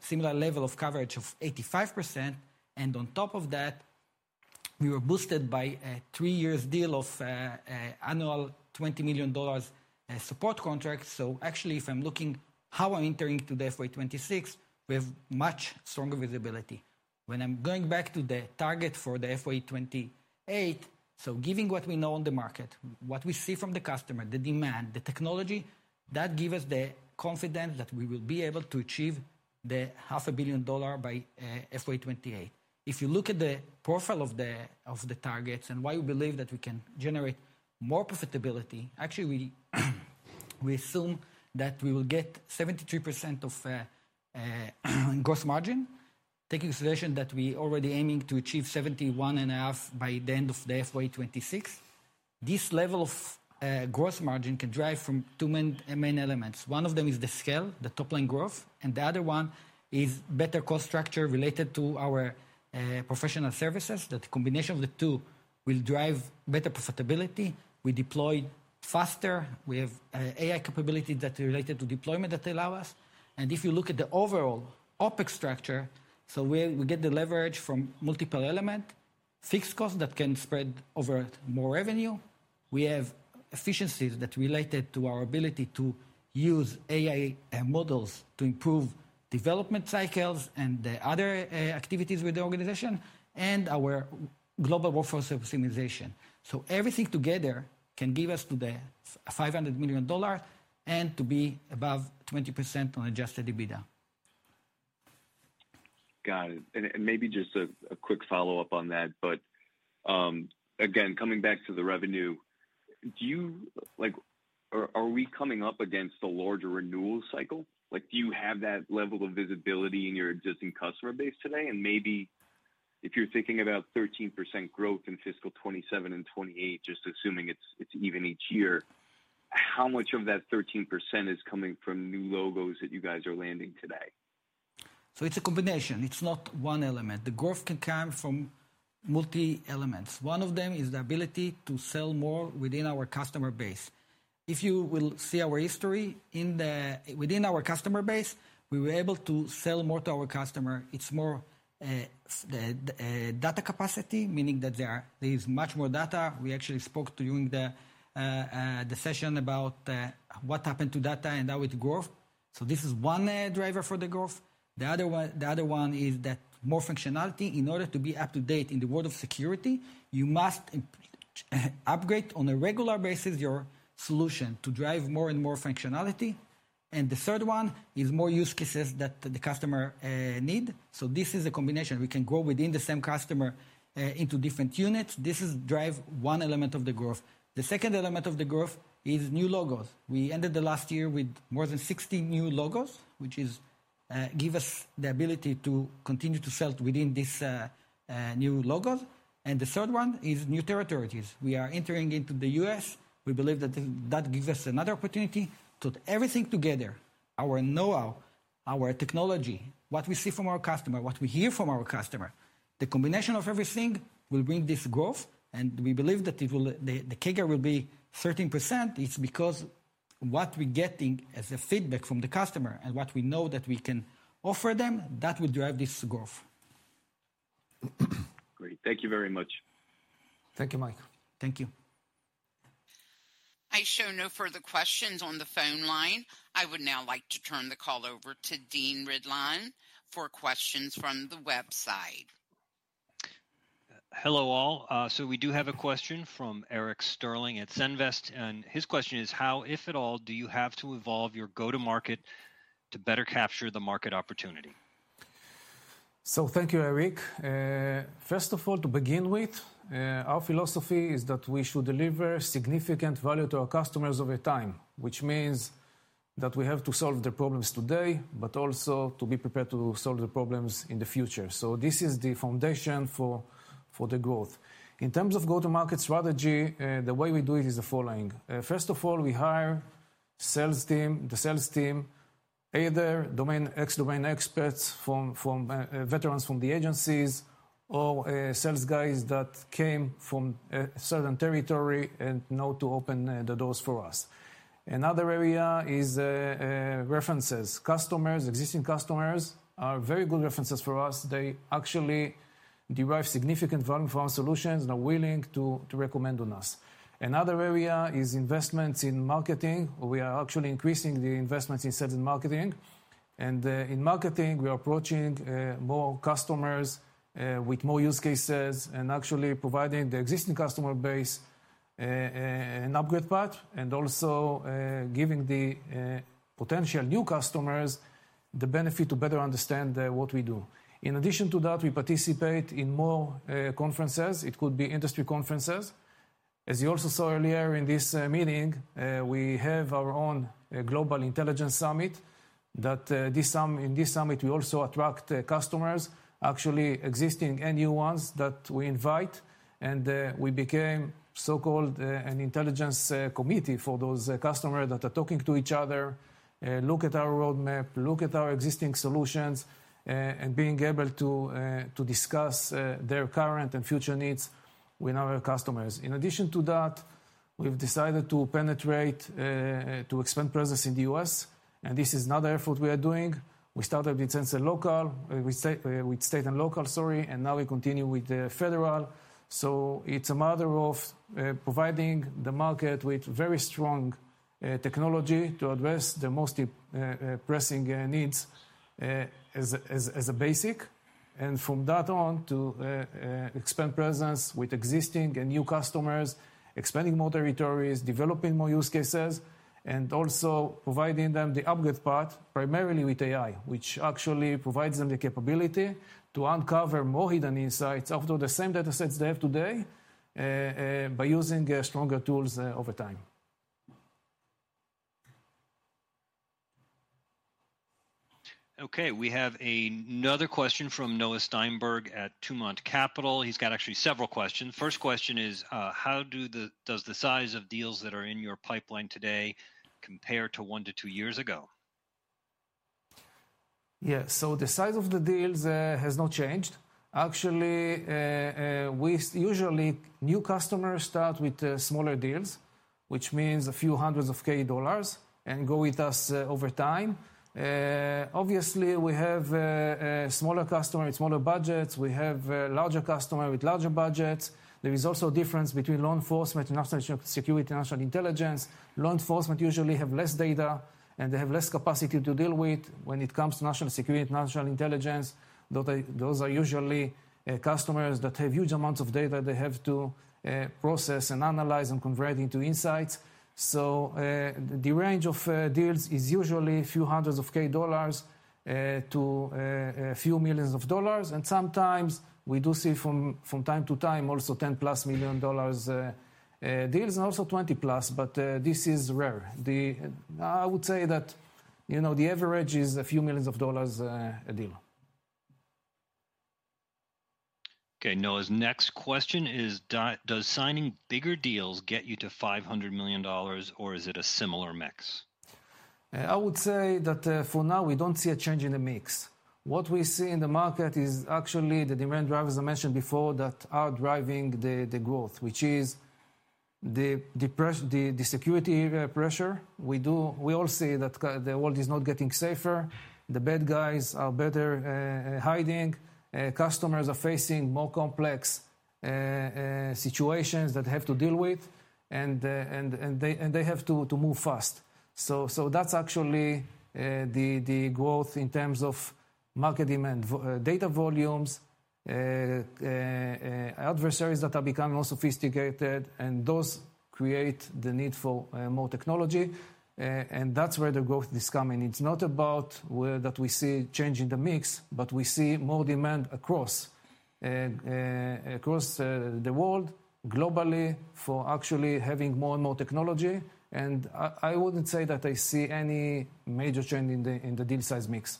similar level of coverage of 85%. On top of that, we were boosted by a three-year deal of annual $20 million support contracts. Actually, if I'm looking how I'm entering today for 2026, we have much stronger visibility. When I'm going back to the target for the FY 2028, giving what we know on the market, what we see from the customer, the demand, the technology, that gives us the confidence that we will be able to achieve the half a billion dollar by FY 2028. If you look at the profile of the targets and why we believe that we can generate more profitability, actually, we assume that we will get 73% of gross margin, taking consideration that we are already aiming to achieve 71.5% by the end of the fiscal year 2026. This level of gross margin can drive from two main elements. One of them is the scale, the top-line growth, and the other one is better cost structure related to our professional services. The combination of the two will drive better profitability. We deploy faster. We have AI capabilities that are related to deployment that allow us. If you look at the overall OpEx structure, we get the leverage from multiple elements, fixed costs that can spread over more revenue. We have efficiencies that are related to our ability to use AI models to improve development cycles and other activities with the organization and our global workforce optimization. Everything together can give us today $500 million and to be above 20% on adjusted EBITDA. Got it. Maybe just a quick follow-up on that. Again, coming back to the revenue, are we coming up against a larger renewal cycle? Do you have that level of visibility in your existing customer base today? Maybe if you're thinking about 13% growth in fiscal 2027 and 2028, just assuming it's even each year, how much of that 13% is coming from new logos that you guys are landing today? It's a combination. It's not one element. The growth can come from multi-elements. One of them is the ability to sell more within our customer base. If you will see our history within our customer base, we were able to sell more to our customer. It's more data capacity, meaning that there is much more data. We actually spoke during the session about what happened to data and how it grows. This is one driver for the growth. The other one is that more functionality. In order to be up to date in the world of security, you must upgrade on a regular basis your solution to drive more and more functionality. The third one is more use cases that the customer needs. This is a combination. We can grow within the same customer into different units. This drives one element of the growth. The second element of the growth is new logos. We ended the last year with more than 60 new logos, which gives us the ability to continue to sell within these new logos. The third one is new territories. We are entering into the U.S. We believe that that gives us another opportunity to put everything together, our know-how, our technology, what we see from our customer, what we hear from our customer. The combination of everything will bring this growth. We believe that the kicker will be 13%. It's because what we're getting as feedback from the customer and what we know that we can offer them, that will drive this growth. Great. Thank you very much. Thank you, Mike. Thank you. I show no further questions on the phone line. I would now like to turn the call over to Dean Ridlon for questions from the website. Hello all. We do have a question from Eric Sterling at Senvest, and his question is, how, if at all, do you have to evolve your go-to-market to better capture the market opportunity? Thank you, Eric. First of all, to begin with, our philosophy is that we should deliver significant value to our customers over time, which means that we have to solve the problems today, but also to be prepared to solve the problems in the future. This is the foundation for the growth. In terms of go-to-market strategy, the way we do it is the following. First of all, we hire the sales team, either ex-domain experts, veterans from the agencies, or sales guys that came from a certain territory and know to open the doors for us. Another area is references. Existing customers are very good references for us. They actually derive significant value from our solutions and are willing to recommend on us. Another area is investments in marketing. We are actually increasing the investments in sales and marketing. In marketing, we are approaching more customers with more use cases and actually providing the existing customer base an upgrade path and also giving the potential new customers the benefit to better understand what we do. In addition to that, we participate in more conferences. It could be industry conferences. As you also saw earlier in this meeting, we have our own global intelligence summit. In this summit, we also attract customers, actually existing and new ones that we invite. We became so-called an intelligence committee for those customers that are talking to each other, look at our roadmap, look at our existing solutions, and being able to discuss their current and future needs with our customers. In addition to that, we've decided to penetrate, to expand presence in the U.S. This is another effort we are doing. We started with state and local, sorry, and now we continue with federal. It is a matter of providing the market with very strong technology to address the most pressing needs as a basic. From that on to expand presence with existing and new customers, expanding more territories, developing more use cases, and also providing them the upgrade path, primarily with AI, which actually provides them the capability to uncover more hidden insights out of the same data sets they have today by using stronger tools over time. Okay. We have another question from Noah Steinberg at Tumont Capital. He's got actually several questions. First question is, how does the size of deals that are in your pipeline today compare to one to two years ago? Yeah. The size of the deals has not changed. Actually, usually new customers start with smaller deals, which means a few hundreds of K dollars, and go with us over time. Obviously, we have smaller customers with smaller budgets. We have larger customers with larger budgets. There is also a difference between law enforcement and national security, national intelligence. Law enforcement usually have less data, and they have less capacity to deal with when it comes to national security, national intelligence. Those are usually customers that have huge amounts of data they have to process and analyze and convert into insights. The range of deals is usually a few hundreds of K dollars to a few millions of dollars. Sometimes we do see from time to time also $10 million-plus deals and also $20 million-plus, but this is rare. I would say that the average is a few millions of dollars a deal. Okay. Noah's next question is, does signing bigger deals get you to $500 million, or is it a similar mix? I would say that for now, we do not see a change in the mix. What we see in the market is actually the demand drivers I mentioned before that are driving the growth, which is the security pressure. We all see that the world is not getting safer. The bad guys are better hiding. Customers are facing more complex situations that they have to deal with, and they have to move fast. That is actually the growth in terms of market demand, data volumes, adversaries that are becoming more sophisticated, and those create the need for more technology. That is where the growth is coming. It's not about that we see change in the mix, but we see more demand across the world globally for actually having more and more technology. I wouldn't say that I see any major change in the deal size mix.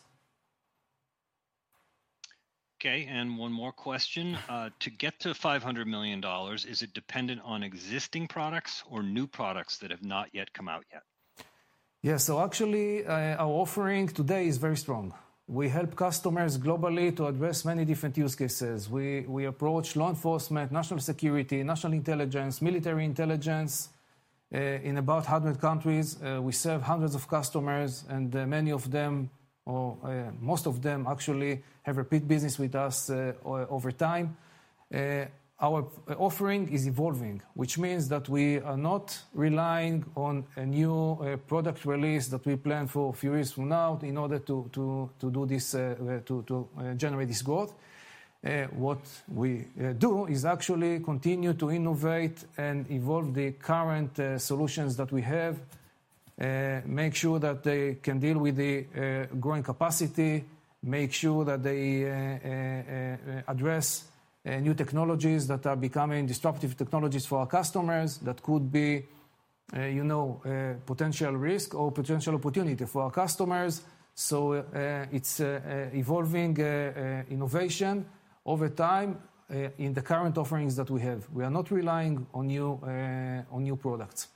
Okay. One more question. To get to $500 million, is it dependent on existing products or new products that have not yet come out yet? Yeah. Actually, our offering today is very strong. We help customers globally to address many different use cases. We approach law enforcement, national security, national intelligence, military intelligence in about 100 countries. We serve hundreds of customers, and many of them, or most of them actually, have repeat business with us over time. Our offering is evolving, which means that we are not relying on a new product release that we plan for a few years from now in order to generate this growth. What we do is actually continue to innovate and evolve the current solutions that we have, make sure that they can deal with the growing capacity, make sure that they address new technologies that are becoming disruptive technologies for our customers that could be potential risk or potential opportunity for our customers. It is evolving innovation over time in the current offerings that we have. We are not relying on new products.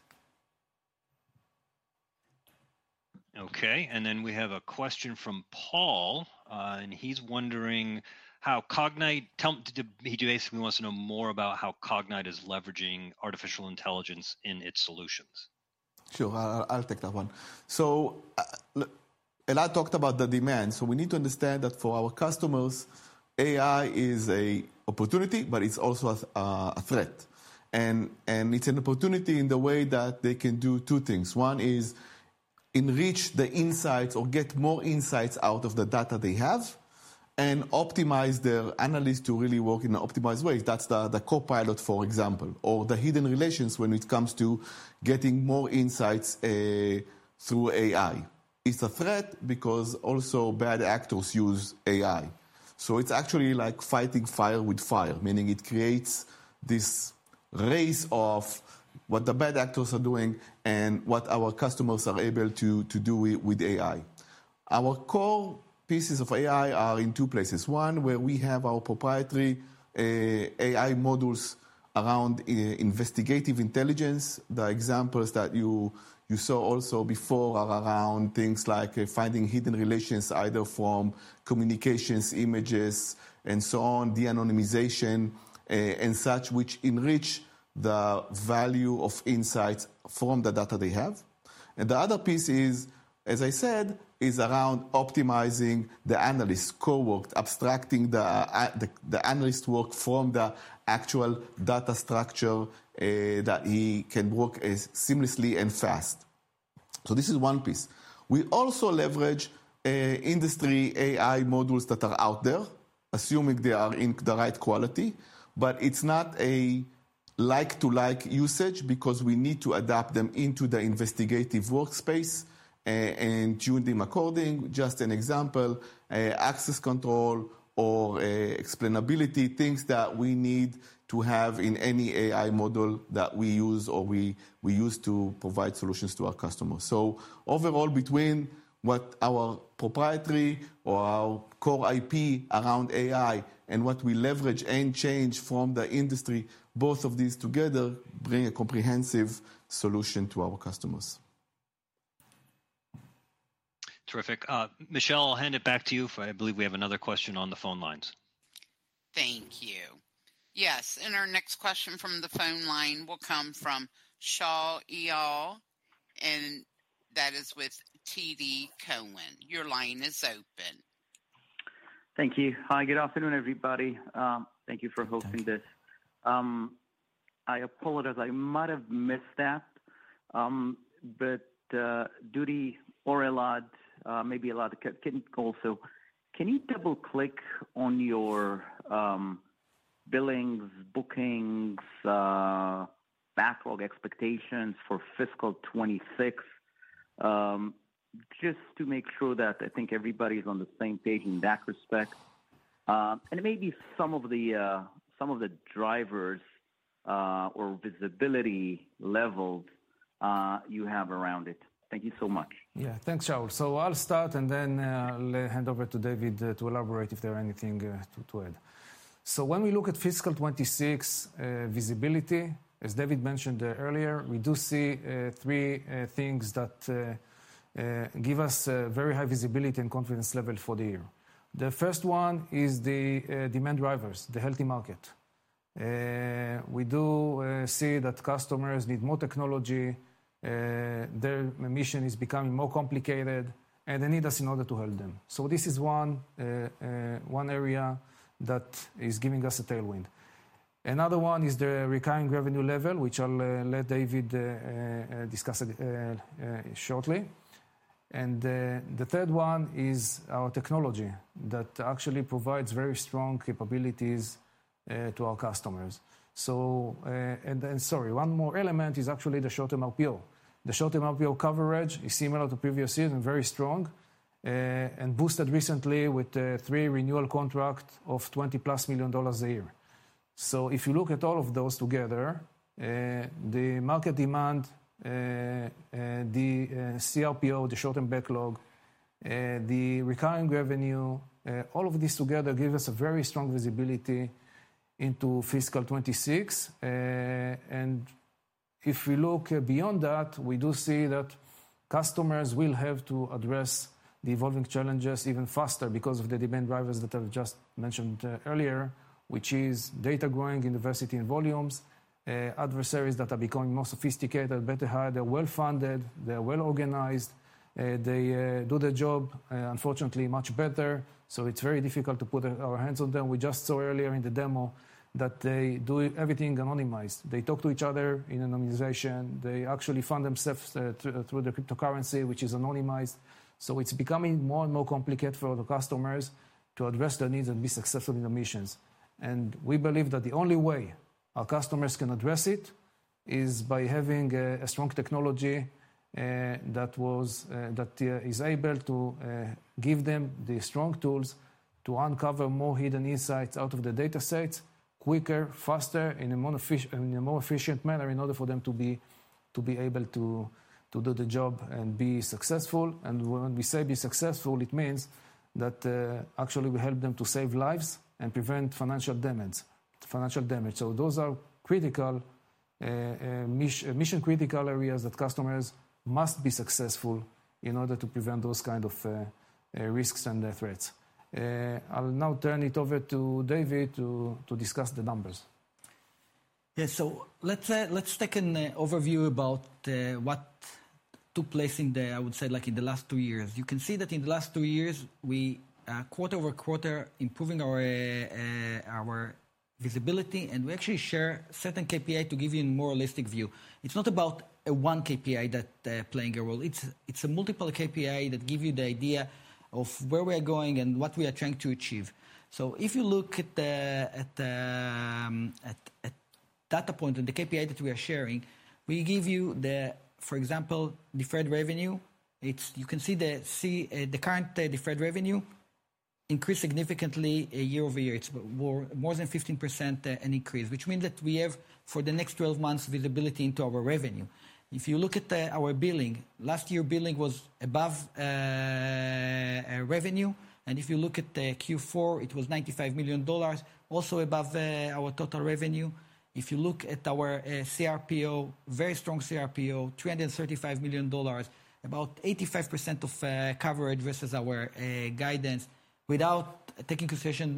Okay. We have a question from Paul, and he is wondering how Cognyte, he basically wants to know more about how Cognyte is leveraging artificial intelligence in its solutions. Sure. I will take that one. Elad talked about the demand. We need to understand that for our customers, AI is an opportunity, but it's also a threat. It's an opportunity in the way that they can do two things. One is enrich the insights or get more insights out of the data they have and optimize their analysts to really work in an optimized way. That's the copilot, for example, or the hidden relations when it comes to getting more insights through AI. It's a threat because also bad actors use AI. It's actually like fighting fire with fire, meaning it creates this race of what the bad actors are doing and what our customers are able to do with AI. Our core pieces of AI are in two places. One, where we have our proprietary AI models around investigative intelligence. The examples that you saw also before are around things like finding hidden relations, either from communications, images, and so on, de-anonymization, and such, which enrich the value of insights from the data they have. The other piece is, as I said, is around optimizing the analyst cowork, abstracting the analyst work from the actual data structure that he can work seamlessly and fast. This is one piece. We also leverage industry AI models that are out there, assuming they are in the right quality. It's not a like-to-like usage because we need to adapt them into the investigative workspace and tune them according. Just an example, access control or explainability, things that we need to have in any AI model that we use or we use to provide solutions to our customers. Overall, between what our proprietary or our core IP around AI and what we leverage and change from the industry, both of these together bring a comprehensive solution to our customers. Terrific. Michelle, I'll hand it back to you for I believe we have another question on the phone lines. Thank you. Yes. Our next question from the phone line will come from Shaul Eyal, and that is with TD Cowen. Your line is open. Thank you. Hi. Good afternoon, everybody. Thank you for hosting this. I apologize. I might have missed that. David or Elad, maybe Elad can also. Can you double-click on your billings, bookings, backlog expectations for fiscal 2026 just to make sure that I think everybody's on the same page in that respect? Maybe some of the drivers or visibility levels you have around it. Thank you so much. Yeah. Thanks, Shaul. I'll start, and then I'll hand over to David to elaborate if there is anything to add. When we look at fiscal 2026 visibility, as David mentioned earlier, we do see three things that give us very high visibility and confidence level for the year. The first one is the demand drivers, the healthy market. We do see that customers need more technology. Their mission is becoming more complicated, and they need us in order to help them. This is one area that is giving us a tailwind. Another one is the recurring revenue level, which I'll let David discuss shortly. The third one is our technology that actually provides very strong capabilities to our customers. Sorry, one more element is actually the short-term RPO. The short-term RPO coverage is similar to previous years and very strong and boosted recently with three renewal contracts of $20-plus million a year. If you look at all of those together, the market demand, the CRPO, the short-term backlog, the recurring revenue, all of this together gives us a very strong visibility into fiscal 2026. If we look beyond that, we do see that customers will have to address the evolving challenges even faster because of the demand drivers that I have just mentioned earlier, which is data growing, diversity in volumes, adversaries that are becoming more sophisticated, better hire, they are well-funded, they are well-organized, they do their job, unfortunately, much better. It is very difficult to put our hands on them. We just saw earlier in the demo that they do everything anonymized. They talk to each other in anonymization. They actually fund themselves through the cryptocurrency, which is anonymized. It is becoming more and more complicated for the customers to address their needs and be successful in their missions. We believe that the only way our customers can address it is by having a strong technology that is able to give them the strong tools to uncover more hidden insights out of the data sets quicker, faster, in a more efficient manner in order for them to be able to do the job and be successful. When we say be successful, it means that actually we help them to save lives and prevent financial damage. Those are critical mission-critical areas that customers must be successful in order to prevent those kinds of risks and threats. I will now turn it over to David to discuss the numbers. Yeah. Let's take an overview about what took place in the, I would say, in the last two years. You can see that in the last two years, we are quarter over quarter improving our visibility, and we actually share certain KPIs to give you a more holistic view. It's not about one KPI that is playing a role. It's multiple KPIs that give you the idea of where we are going and what we are trying to achieve. If you look at that point, the KPIs that we are sharing, we give you, for example, deferred revenue. You can see the current deferred revenue increased significantly year over year. It's more than 15% an increase, which means that we have for the next 12 months visibility into our revenue. If you look at our billing, last year billing was above revenue. If you look at Q4, it was $95 million, also above our total revenue. If you look at our CRPO, very strong CRPO, $335 million, about 85% of coverage versus our guidance without taking consideration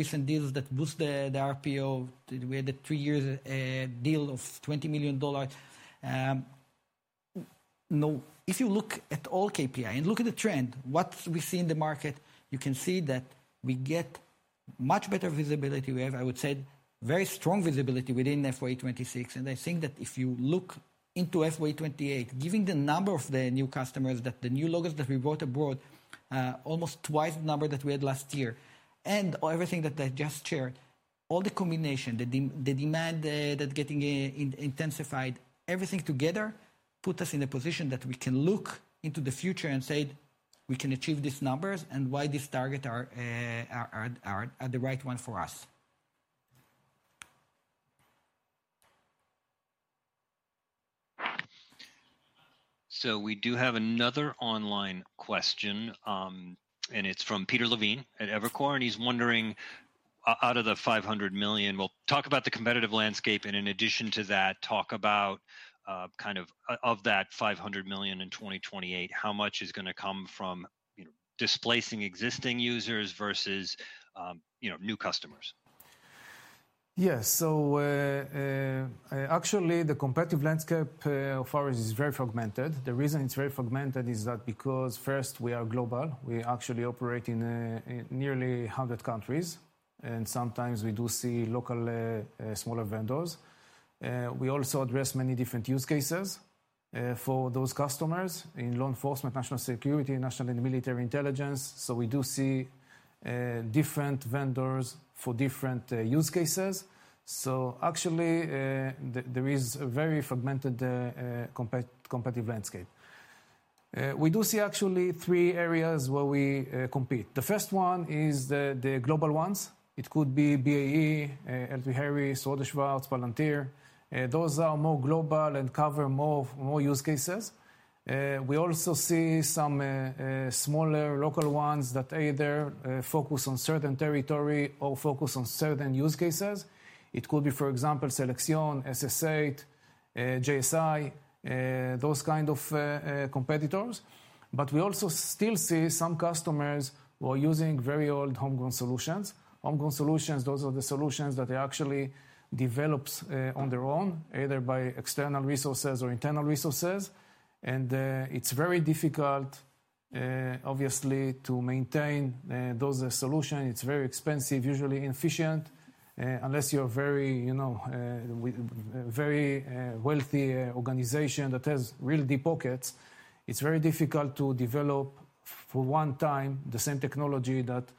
recent deals that boost the RPO. We had a three-year deal of $20 million. If you look at all KPI and look at the trend, what we see in the market, you can see that we get much better visibility. We have, I would say, very strong visibility within FY2026. I think that if you look into FY2028, given the number of the new customers, the new logos that we brought abroad, almost twice the number that we had last year, and everything that I just shared, all the combination, the demand that's getting intensified, everything together puts us in a position that we can look into the future and say, "We can achieve these numbers, and why these targets are the right one for us." We do have another online question, and it's from Peter Levine at Evercore. He's wondering, out of the $500 million, we'll talk about the competitive landscape, and in addition to that, talk about kind of of that $500 million in 2028, how much is going to come from displacing existing users versus new customers? Yes. Actually, the competitive landscape for us is very fragmented. The reason it's very fragmented is that because first, we are global. We actually operate in nearly 100 countries, and sometimes we do see local smaller vendors. We also address many different use cases for those customers in law enforcement, national security, national and military intelligence. We do see different vendors for different use cases. Actually, there is a very fragmented competitive landscape. We do see actually three areas where we compete. The first one is the global ones. It could be BAE Systems, L3Harris, Swedish Route, Palantir. Those are more global and cover more use cases. We also see some smaller local ones that either focus on certain territory or focus on certain use cases. It could be, for example, Selection, SS8, JSI, those kinds of competitors. We also still see some customers who are using very old homegrown solutions. Homegrown solutions, those are the solutions that they actually develop on their own, either by external resources or internal resources. It's very difficult, obviously, to maintain those solutions. It's very expensive, usually inefficient. Unless you're a very wealthy organization that has real deep pockets, it's very difficult to develop for one time the same technology that a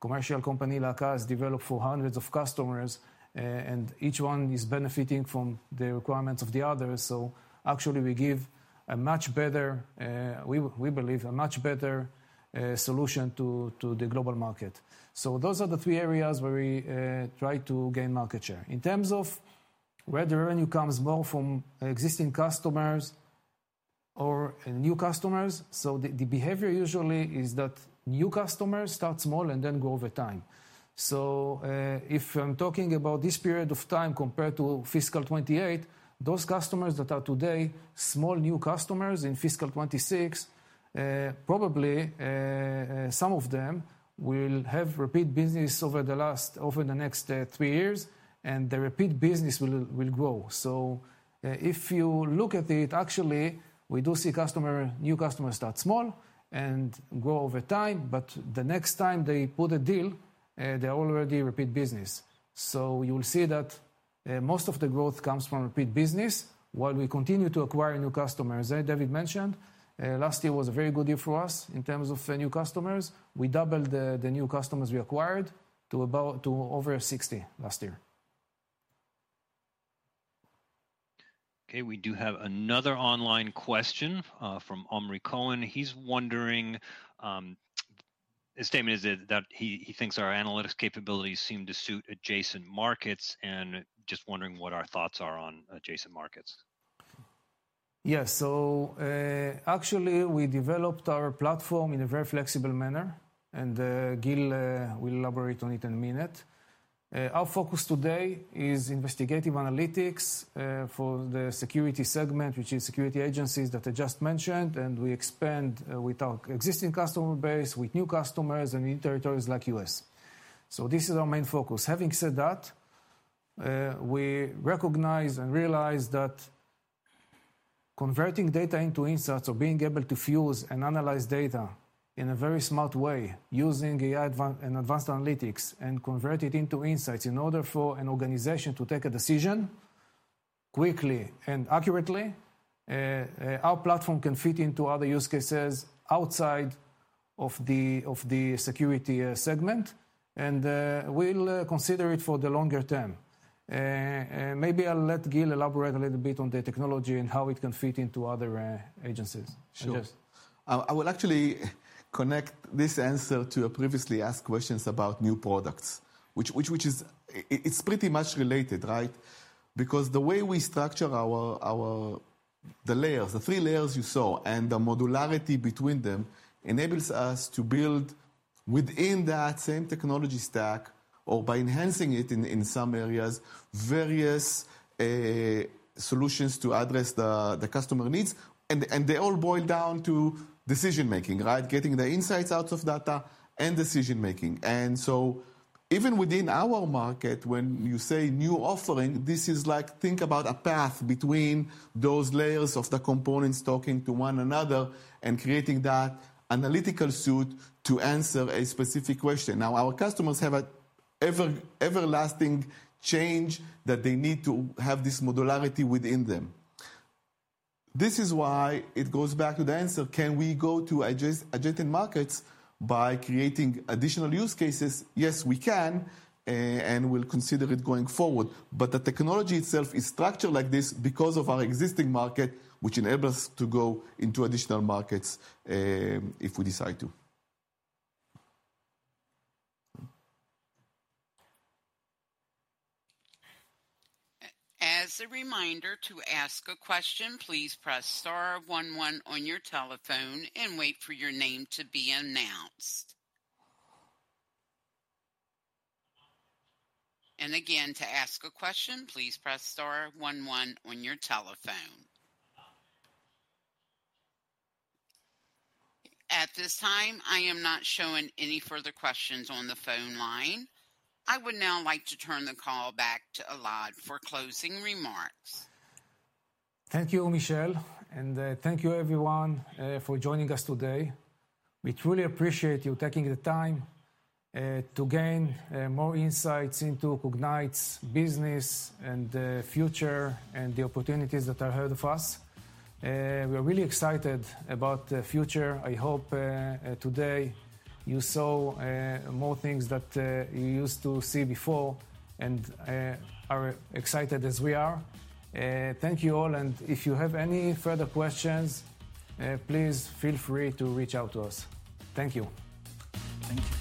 commercial company like us developed for hundreds of customers, and each one is benefiting from the requirements of the others. Actually, we give a much better, we believe, a much better solution to the global market. Those are the three areas where we try to gain market share. In terms of whether revenue comes more from existing customers or new customers, the behavior usually is that new customers start small and then grow over time. If I'm talking about this period of time compared to fiscal 2028, those customers that are today small new customers in fiscal 2026, probably some of them will have repeat business over the next three years, and the repeat business will grow. If you look at it, actually, we do see new customers start small and grow over time, but the next time they put a deal, they're already repeat business. You will see that most of the growth comes from repeat business while we continue to acquire new customers. David mentioned last year was a very good year for us in terms of new customers. We doubled the new customers we acquired to over 60 last year. Okay. We do have another online question from Omri Cohen. He's wondering, his statement is that he thinks our analytics capabilities seem to suit adjacent markets and just wondering what our thoughts are on adjacent markets. Yes. So actually, we developed our platform in a very flexible manner, and Gil will elaborate on it in a minute. Our focus today is investigative analytics for the security segment, which is security agencies that I just mentioned, and we expand with our existing customer base, with new customers, and in territories like the U.S. This is our main focus. Having said that, we recognize and realize that converting data into insights or being able to fuse and analyze data in a very smart way using AI and advanced analytics and convert it into insights in order for an organization to take a decision quickly and accurately, our platform can fit into other use cases outside of the security segment, and we'll consider it for the longer term. Maybe I'll let Gil elaborate a little bit on the technology and how it can fit into other agencies. Sure. I will actually connect this answer to a previously asked question about new products, which is pretty much related, right? Because the way we structure the layers, the three layers you saw, and the modularity between them enables us to build within that same technology stack or by enhancing it in some areas, various solutions to address the customer needs. They all boil down to decision-making, right? Getting the insights out of data and decision-making. Even within our market, when you say new offering, this is like think about a path between those layers of the components talking to one another and creating that analytical suit to answer a specific question. Now, our customers have an everlasting change that they need to have this modularity within them. This is why it goes back to the answer. Can we go to adjacent markets by creating additional use cases? Yes, we can, and we'll consider it going forward. The technology itself is structured like this because of our existing market, which enables us to go into additional markets if we decide to. As a reminder to ask a question, please press star one, one on your telephone and wait for your name to be announced. To ask a question, please press star one, one on your telephone. At this time, I am not showing any further questions on the phone line. I would now like to turn the call back to Elad for closing remarks. Thank you, Michelle, and thank you, everyone, for joining us today. We truly appreciate you taking the time to gain more insights into Cognyte's business and the future and the opportunities that are ahead of us. We are really excited about the future. I hope today you saw more things than you used to see before and are excited as we are. Thank you all. If you have any further questions, please feel free to reach out to us. Thank you. Thank you.